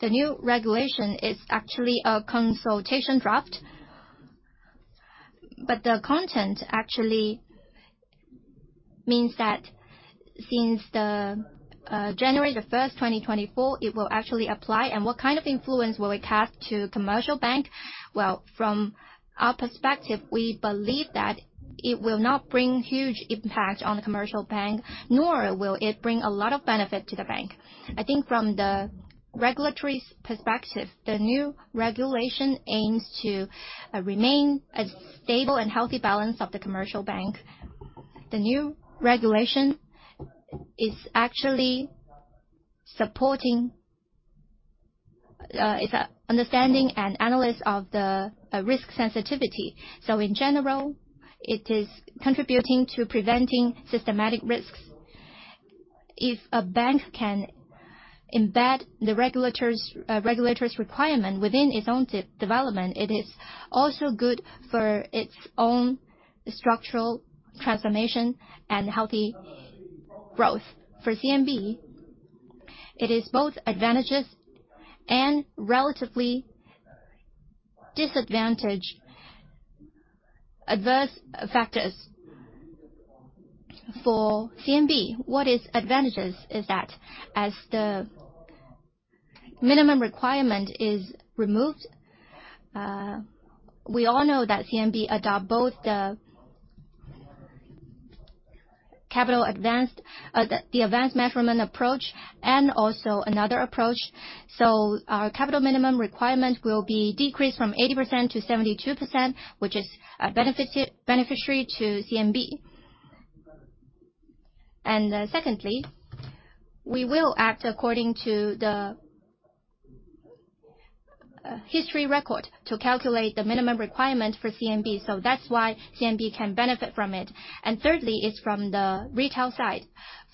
The new regulation is actually a consultation draft. The content actually means that since January 1st, 2024, it will actually apply. What kind of influence will it have to commercial bank? From our perspective, we believe that it will not bring huge impact on the commercial bank, nor will it bring a lot of benefit to the bank. I think from the regulatory's perspective, the new regulation aims to remain a stable and healthy balance of the commercial bank. The new regulation is actually supporting. It's an understanding and analysis of the risk sensitivity. In general, it is contributing to preventing systematic risks. If a bank can embed the regulators' requirement within its own development, it is also good for its own structural transformation and healthy growth. For CMB, it is both advantages and relatively disadvantage adverse factors. For CMB, what is advantages is that as the minimum requirement is removed, we all know that CMB adopt both the advanced measurement approach and also another approach. Our capital minimum requirement will be decreased from 80% to 72%, which is beneficiary to CMB. Secondly, we will act according to the history record to calculate the minimum requirement for CMB. That's why CMB can benefit from it. Thirdly is from the retail side.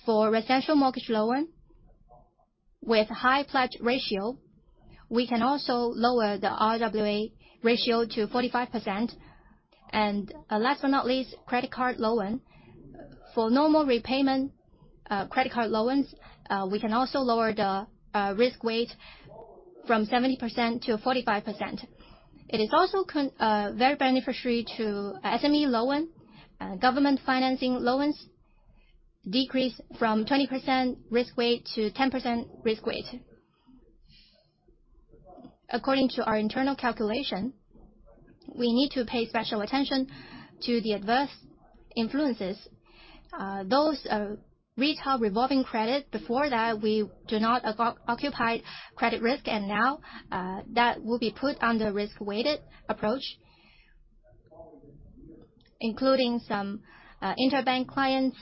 For residential mortgage loan with high pledge ratio, we can also lower the RWA ratio to 45%. Last but not least, credit card loan. For normal repayment, credit card loans, we can also lower the risk weight from 70% to 45%. It is also very beneficiary to SME loan, government financing loans decrease from 20% risk weight to 10% risk weight. According to our internal calculation, we need to pay special attention to the adverse influences, those retail revolving credit. Before that, we do not occupy credit risk, and now, that will be put under risk-weighted approach. Including some interbank clients.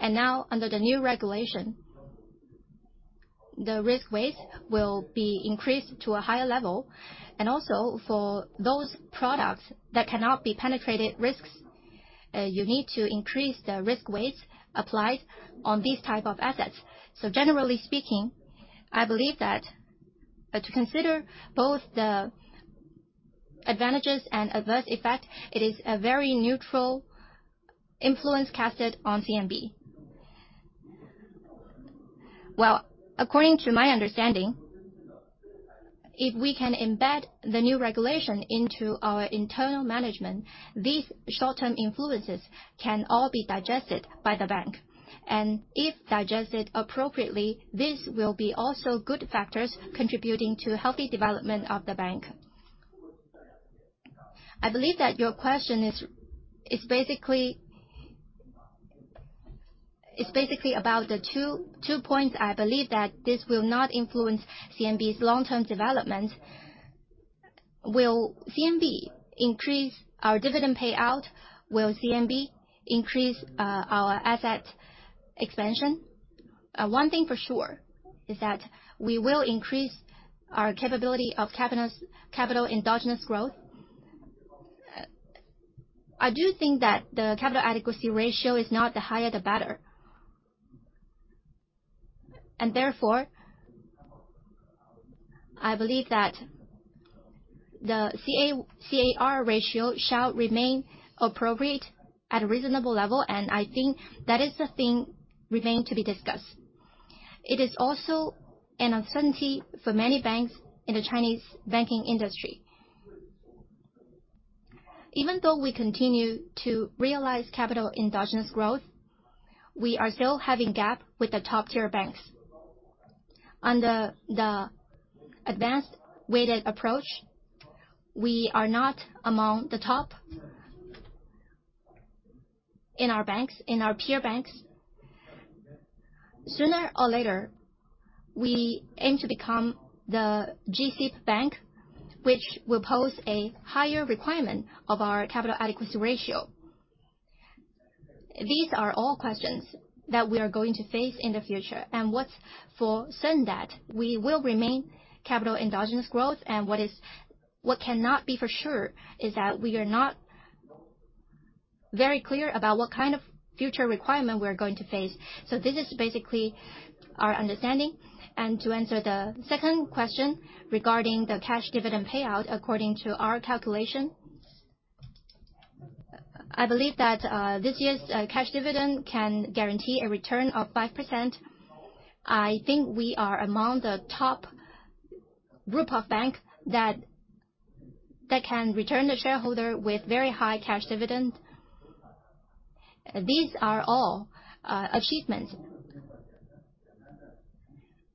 Now under the new regulation, the risk weight will be increased to a higher level. Also for those products that cannot be penetrated risks, you need to increase the risk weights applied on these type of assets. Generally speaking, I believe that, to consider both the advantages and adverse effect, it is a very neutral influence casted on CMB. Well, according to my understanding, if we can embed the new regulation into our internal management, these short-term influences can all be digested by the bank. If digested appropriately, this will be also good factors contributing to healthy development of the bank. I believe that your question is basically about the two points. I believe that this will not influence CMB's long-term development. Will CMB increase our dividend payout? Will CMB increase our asset expansion? One thing for sure is that we will increase our capability of capital endogenous growth. I do think that the capital adequacy ratio is not the higher the better. Therefore, I believe that the CAR ratio shall remain appropriate at a reasonable level, and I think that is the thing remain to be discussed. It is also an uncertainty for many banks in the Chinese banking industry. Even though we continue to realize capital endogenous growth, we are still having gap with the top-tier banks. Under the advanced weighted approach, we are not among the top in our banks, in our peer banks. Sooner or later, we aim to become the GC bank, which will pose a higher requirement of our capital adequacy ratio. These are all questions that we are going to face in the future. What's for certain that we will remain capital endogenous growth and what cannot be for sure is that we are not very clear about what kind of future requirement we are going to face. This is basically our understanding. To answer the second question regarding the cash dividend payout, according to our calculation, I believe that this year's cash dividend can guarantee a return of 5%. I think we are among the top group of bank that can return the shareholder with very high cash dividend. These are all achievements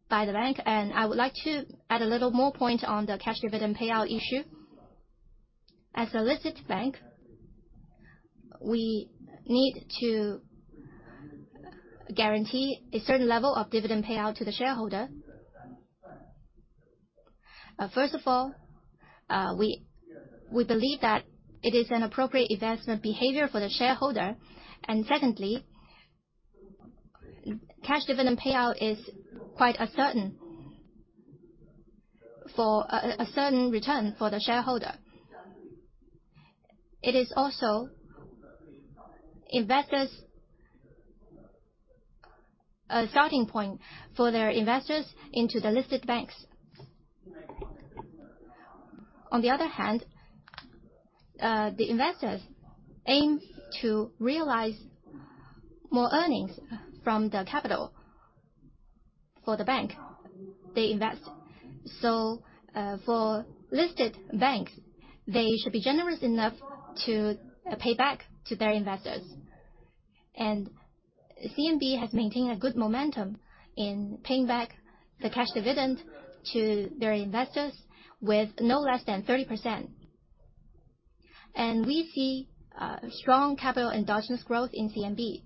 by the bank, I would like to add a little more point on the cash dividend payout issue. As a listed bank, we need to guarantee a certain level of dividend payout to the shareholder. First of all, we believe that it is an appropriate investment behavior for the shareholder. Secondly, cash dividend payout is quite a certain return for the shareholder. It is also investors... a starting point for their investors into the listed banks. On the other hand, the investors aim to realize more earnings from the capital for the bank they invest. For listed banks, they should be generous enough to pay back to their investors. CMB has maintained a good momentum in paying back the cash dividend to their investors with no less than 30%. We see strong capital endogenous growth in CMB.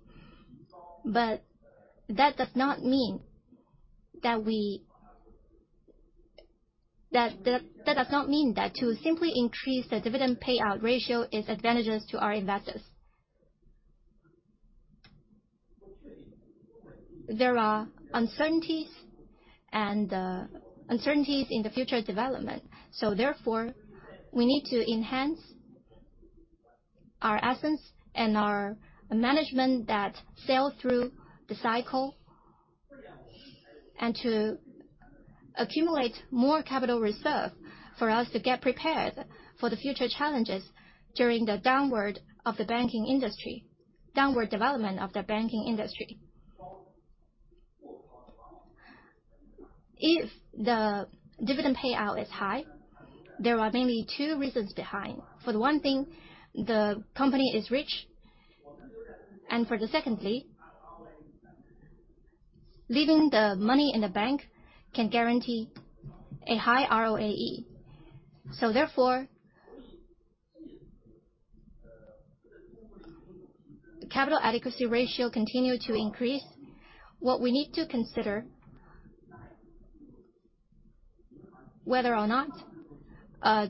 That does not mean that to simply increase the dividend payout ratio is advantageous to our investors. There are uncertainties and uncertainties in the future development. Therefore, we need to enhance our assets and our management that sail through the cycle and to accumulate more capital reserve for us to get prepared for the future challenges during the downward development of the banking industry. If the dividend payout is high, there are mainly two reasons behind. For the one thing, the company is rich. For the secondly, leaving the money in the bank can guarantee a high ROAE. Therefore. Capital adequacy ratio continued to increase. What we need to consider... Whether or not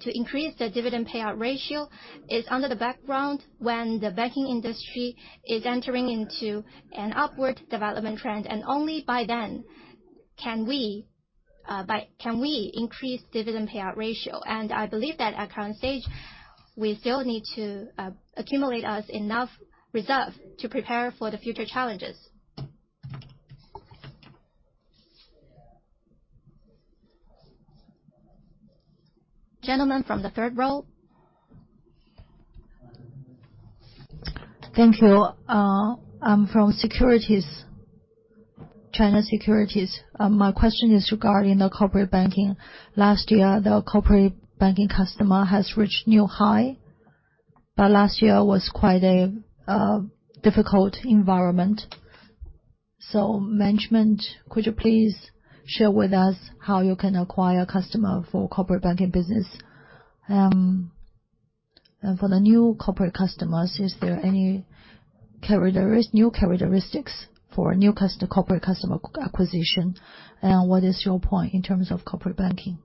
to increase the dividend payout ratio is under the background when the banking industry is entering into an upward development trend, and only by then can we increase dividend payout ratio. I believe that at current stage, we still need to accumulate us enough reserve to prepare for the future challenges. Gentleman from the third row. Thank you. I'm from Securities. China Securities. My question is regarding the corporate banking. Last year, the corporate banking customer has reached new high, but last year was quite a difficult environment. Management, could you please share with us how you can acquire customer for corporate banking business? For the new corporate customers, is there any new characteristics for new corporate customer acquisition? What is your point in terms of corporate banking?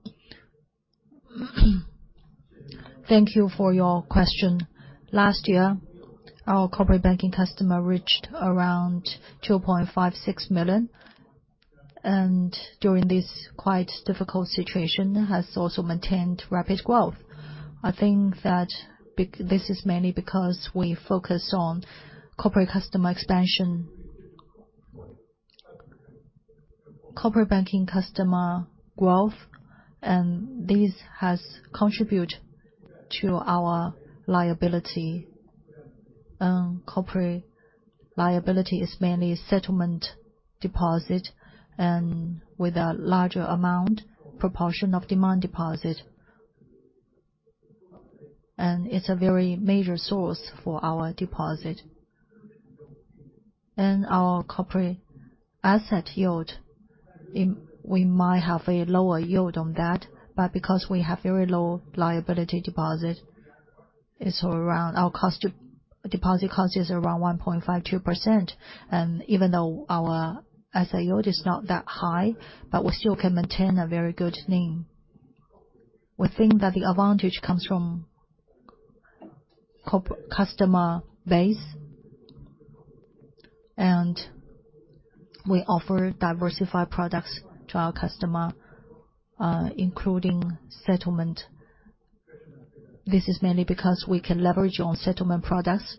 Thank you for your question. Last year, our corporate banking customer reached around 2.56 million, and during this quite difficult situation, has also maintained rapid growth. I think that this is mainly because we focus on corporate customer expansion. Corporate banking customer growth, this has contribute to our liability. Corporate liability is mainly settlement deposit and with a larger amount proportion of demand deposit. It's a very major source for our deposit. Our corporate asset yield, we might have a lower yield on that, but because we have very low liability deposit cost is around 1.52%. Even though our asset yield is not that high, but we still can maintain a very good NIM. We think that the advantage comes from customer base. We offer diversified products to our customer, including settlement. This is mainly because we can leverage on settlement products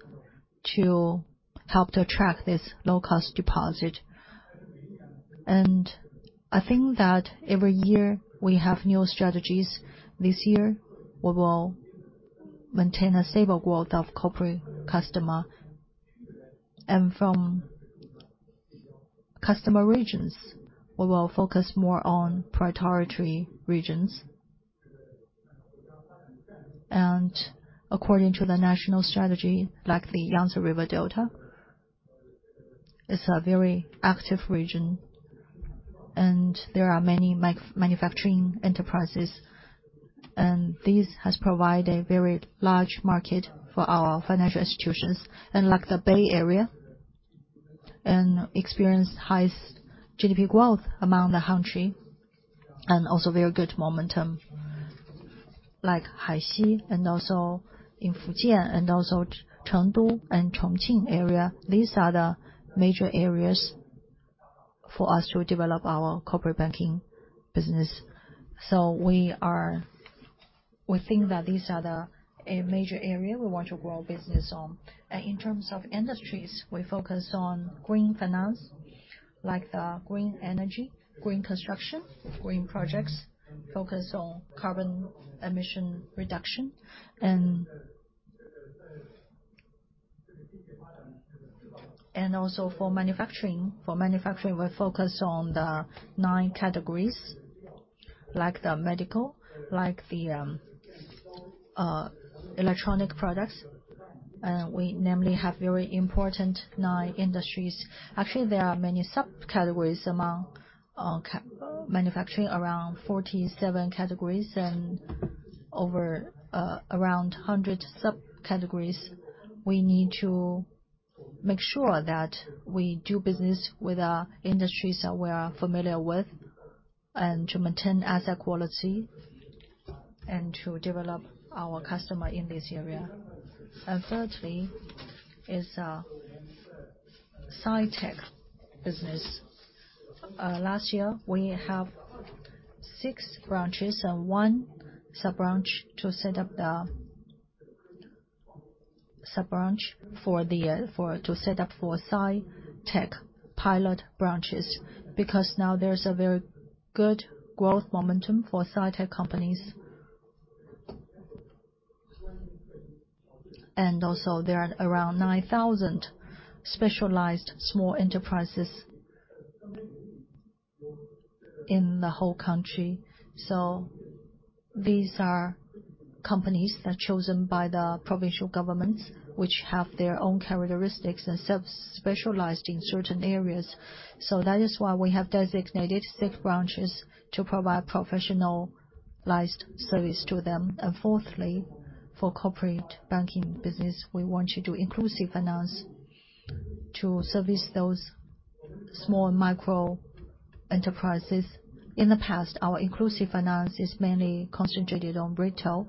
to help to attract this low-cost deposit. I think that every year we have new strategies. This year, we will maintain a stable growth of corporate customer. From customer regions, we will focus more on priority regions. According to the national strategy, like the Yangtze River Delta, it's a very active region, and there are many manufacturing enterprises, and this has provided a very large market for our financial institutions. Like the Bay Area, experience highest GDP growth among the country, and also very good momentum like Haixi and also in Fujian and also Chengdu and Chongqing area. These are the major areas for us to develop our corporate banking business. We think that these are a major area we want to grow business on. In terms of industries, we focus on green finance, like the green energy, green construction, green projects, focus on carbon emission reduction. Also for manufacturing. For manufacturing, we focus on the nine categories, like the medical, like the electronic products. We namely have very important nine industries. Actually, there are many sub-categories among manufacturing, around 47 categories and over around 100 sub-categories. We need to make sure that we do business with the industries that we are familiar with and to maintain asset quality and to develop our customer in this area. Thirdly is Sci-Tech business. Last year, we have six branches and one sub-branch to set up the sub-branch for the Sci-Tech pilot branches, because now there's a very good growth momentum for Sci-Tech companies. There are around 9,000 specialized small enterprises in the whole country. These are companies that are chosen by the provincial governments which have their own characteristics and specialized in certain areas. That is why we have designated six branches to provide professionalized service to them. Fourthly, for corporate banking business, we want to do inclusive finance to service those small micro-enterprises. In the past, our inclusive finance is mainly concentrated on retail.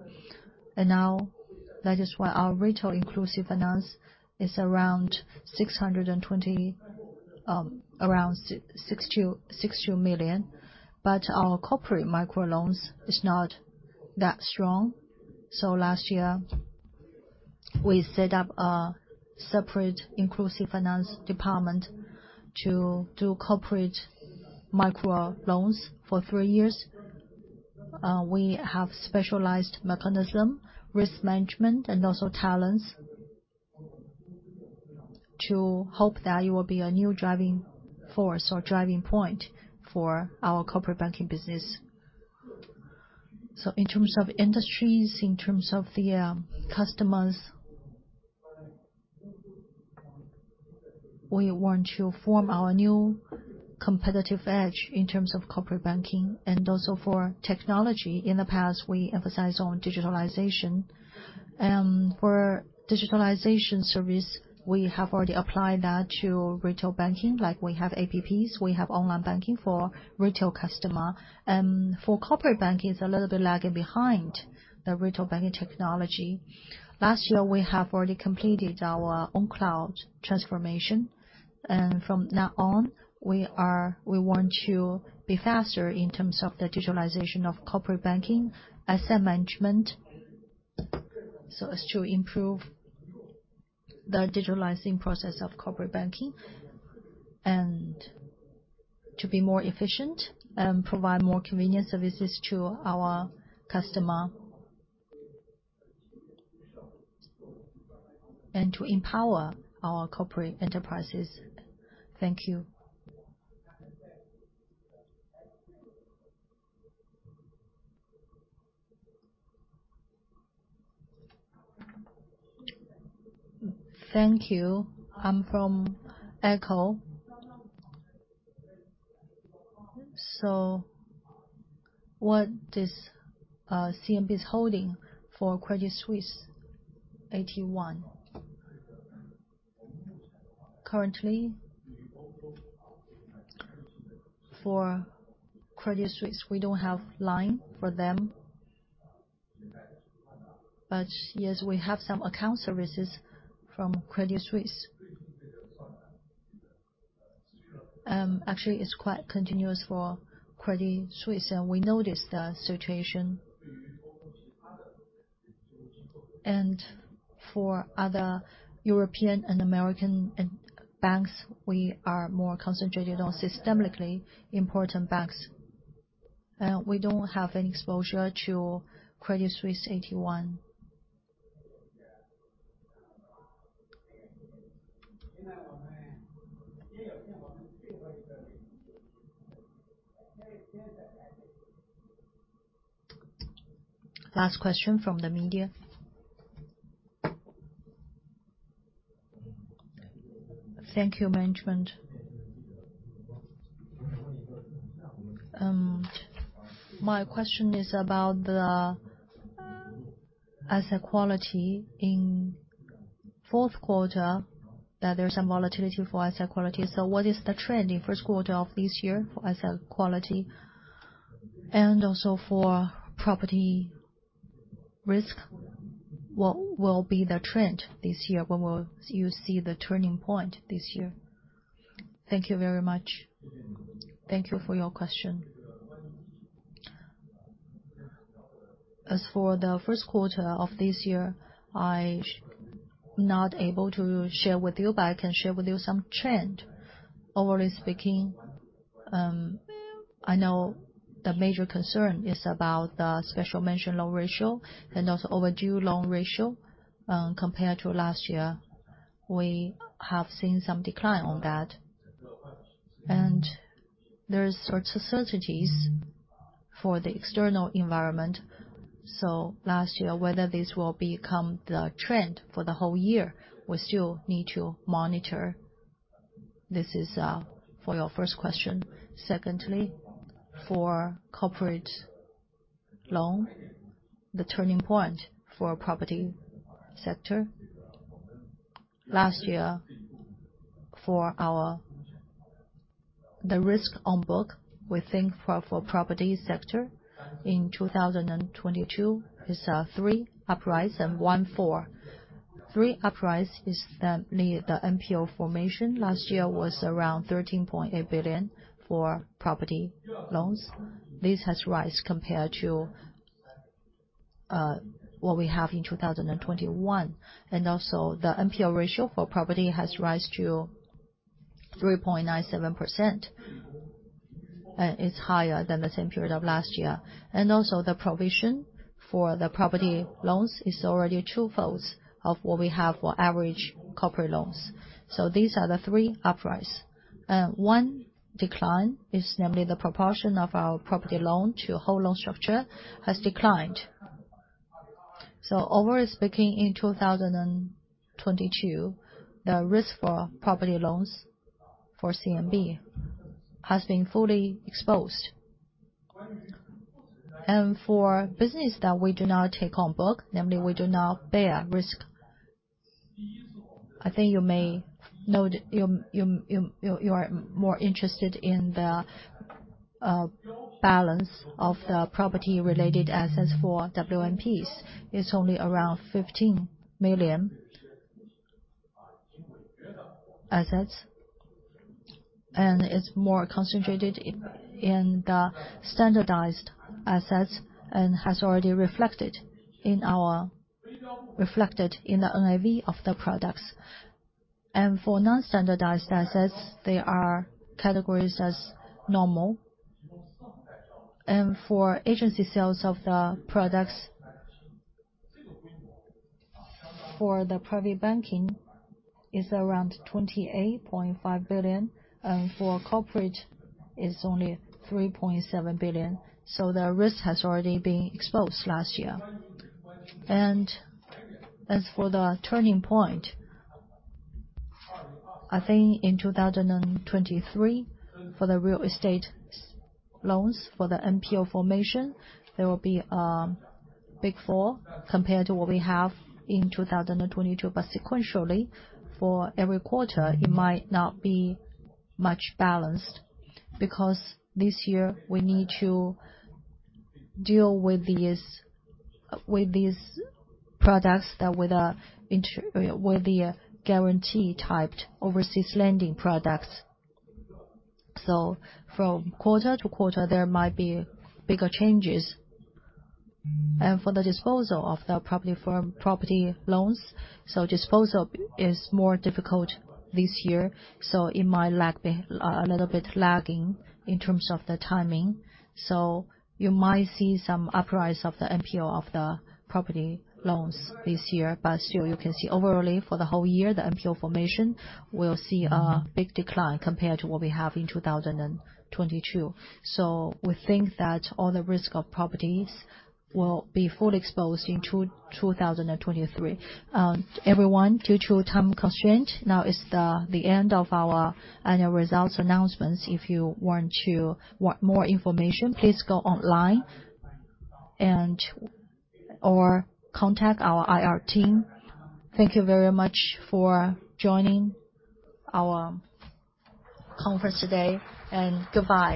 That is why our retail inclusive finance is around 620, around 6 to million. Our corporate microloans is not that strong. Last year, we set up a separate inclusive finance department to do corporate microloans for 3 years. We have specialized mechanism, risk management, and also talents to hope that it will be a new driving force or driving point for our corporate banking business. In terms of industries, in terms of the customers, we want to form our new competitive edge in terms of corporate banking and also for technology. In the past, we emphasize on digitalization. For digitalization service, we have already applied that to retail banking. Like we have apps, we have online banking for retail customer. For corporate banking, it's a little bit lagging behind the retail banking technology. Last year, we have already completed our own cloud transformation. From now on, we want to be faster in terms of the digitalization of corporate banking, asset management, so as to improve the digitalizing process of corporate banking. To be more efficient and provide more convenient services to our customer. To empower our corporate enterprises. Thank you. Thank you. I'm from Echo. What is CMB's holding for Credit Suisse AT1? Currently, for Credit Suisse, we don't have line for them. Yes, we have some account services from Credit Suisse. Actually, it's quite continuous for Credit Suisse, and we know the situation. For other European and American banks, we are more concentrated on systemically important banks. We don't have any exposure to Credit Suisse AT1. Last question from the media. Thank you, management. My question is about the asset quality in fourth quarter, that there's some volatility for asset quality. What is the trend in first quarter of this year for asset quality? Also for property risk, what will be the trend this year? When will you see the turning point this year? Thank you very much. Thank you for your question. For the first quarter of this year, I not able to share with you, but I can share with you some trend. Overall speaking, I know the major concern is about the special mention loan ratio and also overdue loan ratio. Compared to last year, we have seen some decline on that. There's sorts of strategies for the external environment. Last year, whether this will become the trend for the whole year, we still need to monitor. This is for your first question. For corporate loan, the turning point for property sector. Last year, the risk on book, we think for property sector in 2022 is three uprise and one fall. Three uprise is namely the NPL formation. Last year was around 13.8 billion for property loans. This has rise compared to what we have in 2021. Also the NPL ratio for property has rise to 3.97%. It's higher than the same period of last year. Also the provision for the property loans is already two-fold of what we have for average corporate loans. These are the three uprise. One decline is namely the proportion of our property loan to whole loan structure has declined. Overall speaking, in 2022, the risk for property loans for CMB has been fully exposed. For business that we do not take on book, namely, we do not bear risk. I think you may know that you are more interested in the balance of the property-related assets for WMPs. It's only around CNY 15 million assets, and it's more concentrated in the standardized assets and has already reflected in the NAV of the products. For non-standardized assets, they are categorized as normal. For agency sales of the products for the private banking is around 28.5 billion. For corporate, it's only 3.7 billion. The risk has already been exposed last year. As for the turning point, I think in 2023, for the real estate loans, for the NPL formation, there will be a big fall compared to what we have in 2022. Sequentially, for every quarter, it might not be much balanced, because this year we need to deal with these products that with the guarantee-typed overseas lending products. From quarter to quarter, there might be bigger changes. For the disposal of the property for property loans, disposal is more difficult this year, it might lag a little bit lagging in terms of the timing. You might see some uprise of the NPL of the property loans this year. Still, you can see overly for the whole year, the NPL formation will see a big decline compared to what we have in 2022. We think that all the risk of properties will be fully exposed in 2023. Everyone, due to time constraint, now is the end of our annual results announcements. If you want more information, please go online and/or contact our IR team. Thank you very much for joining our conference today, and goodbye.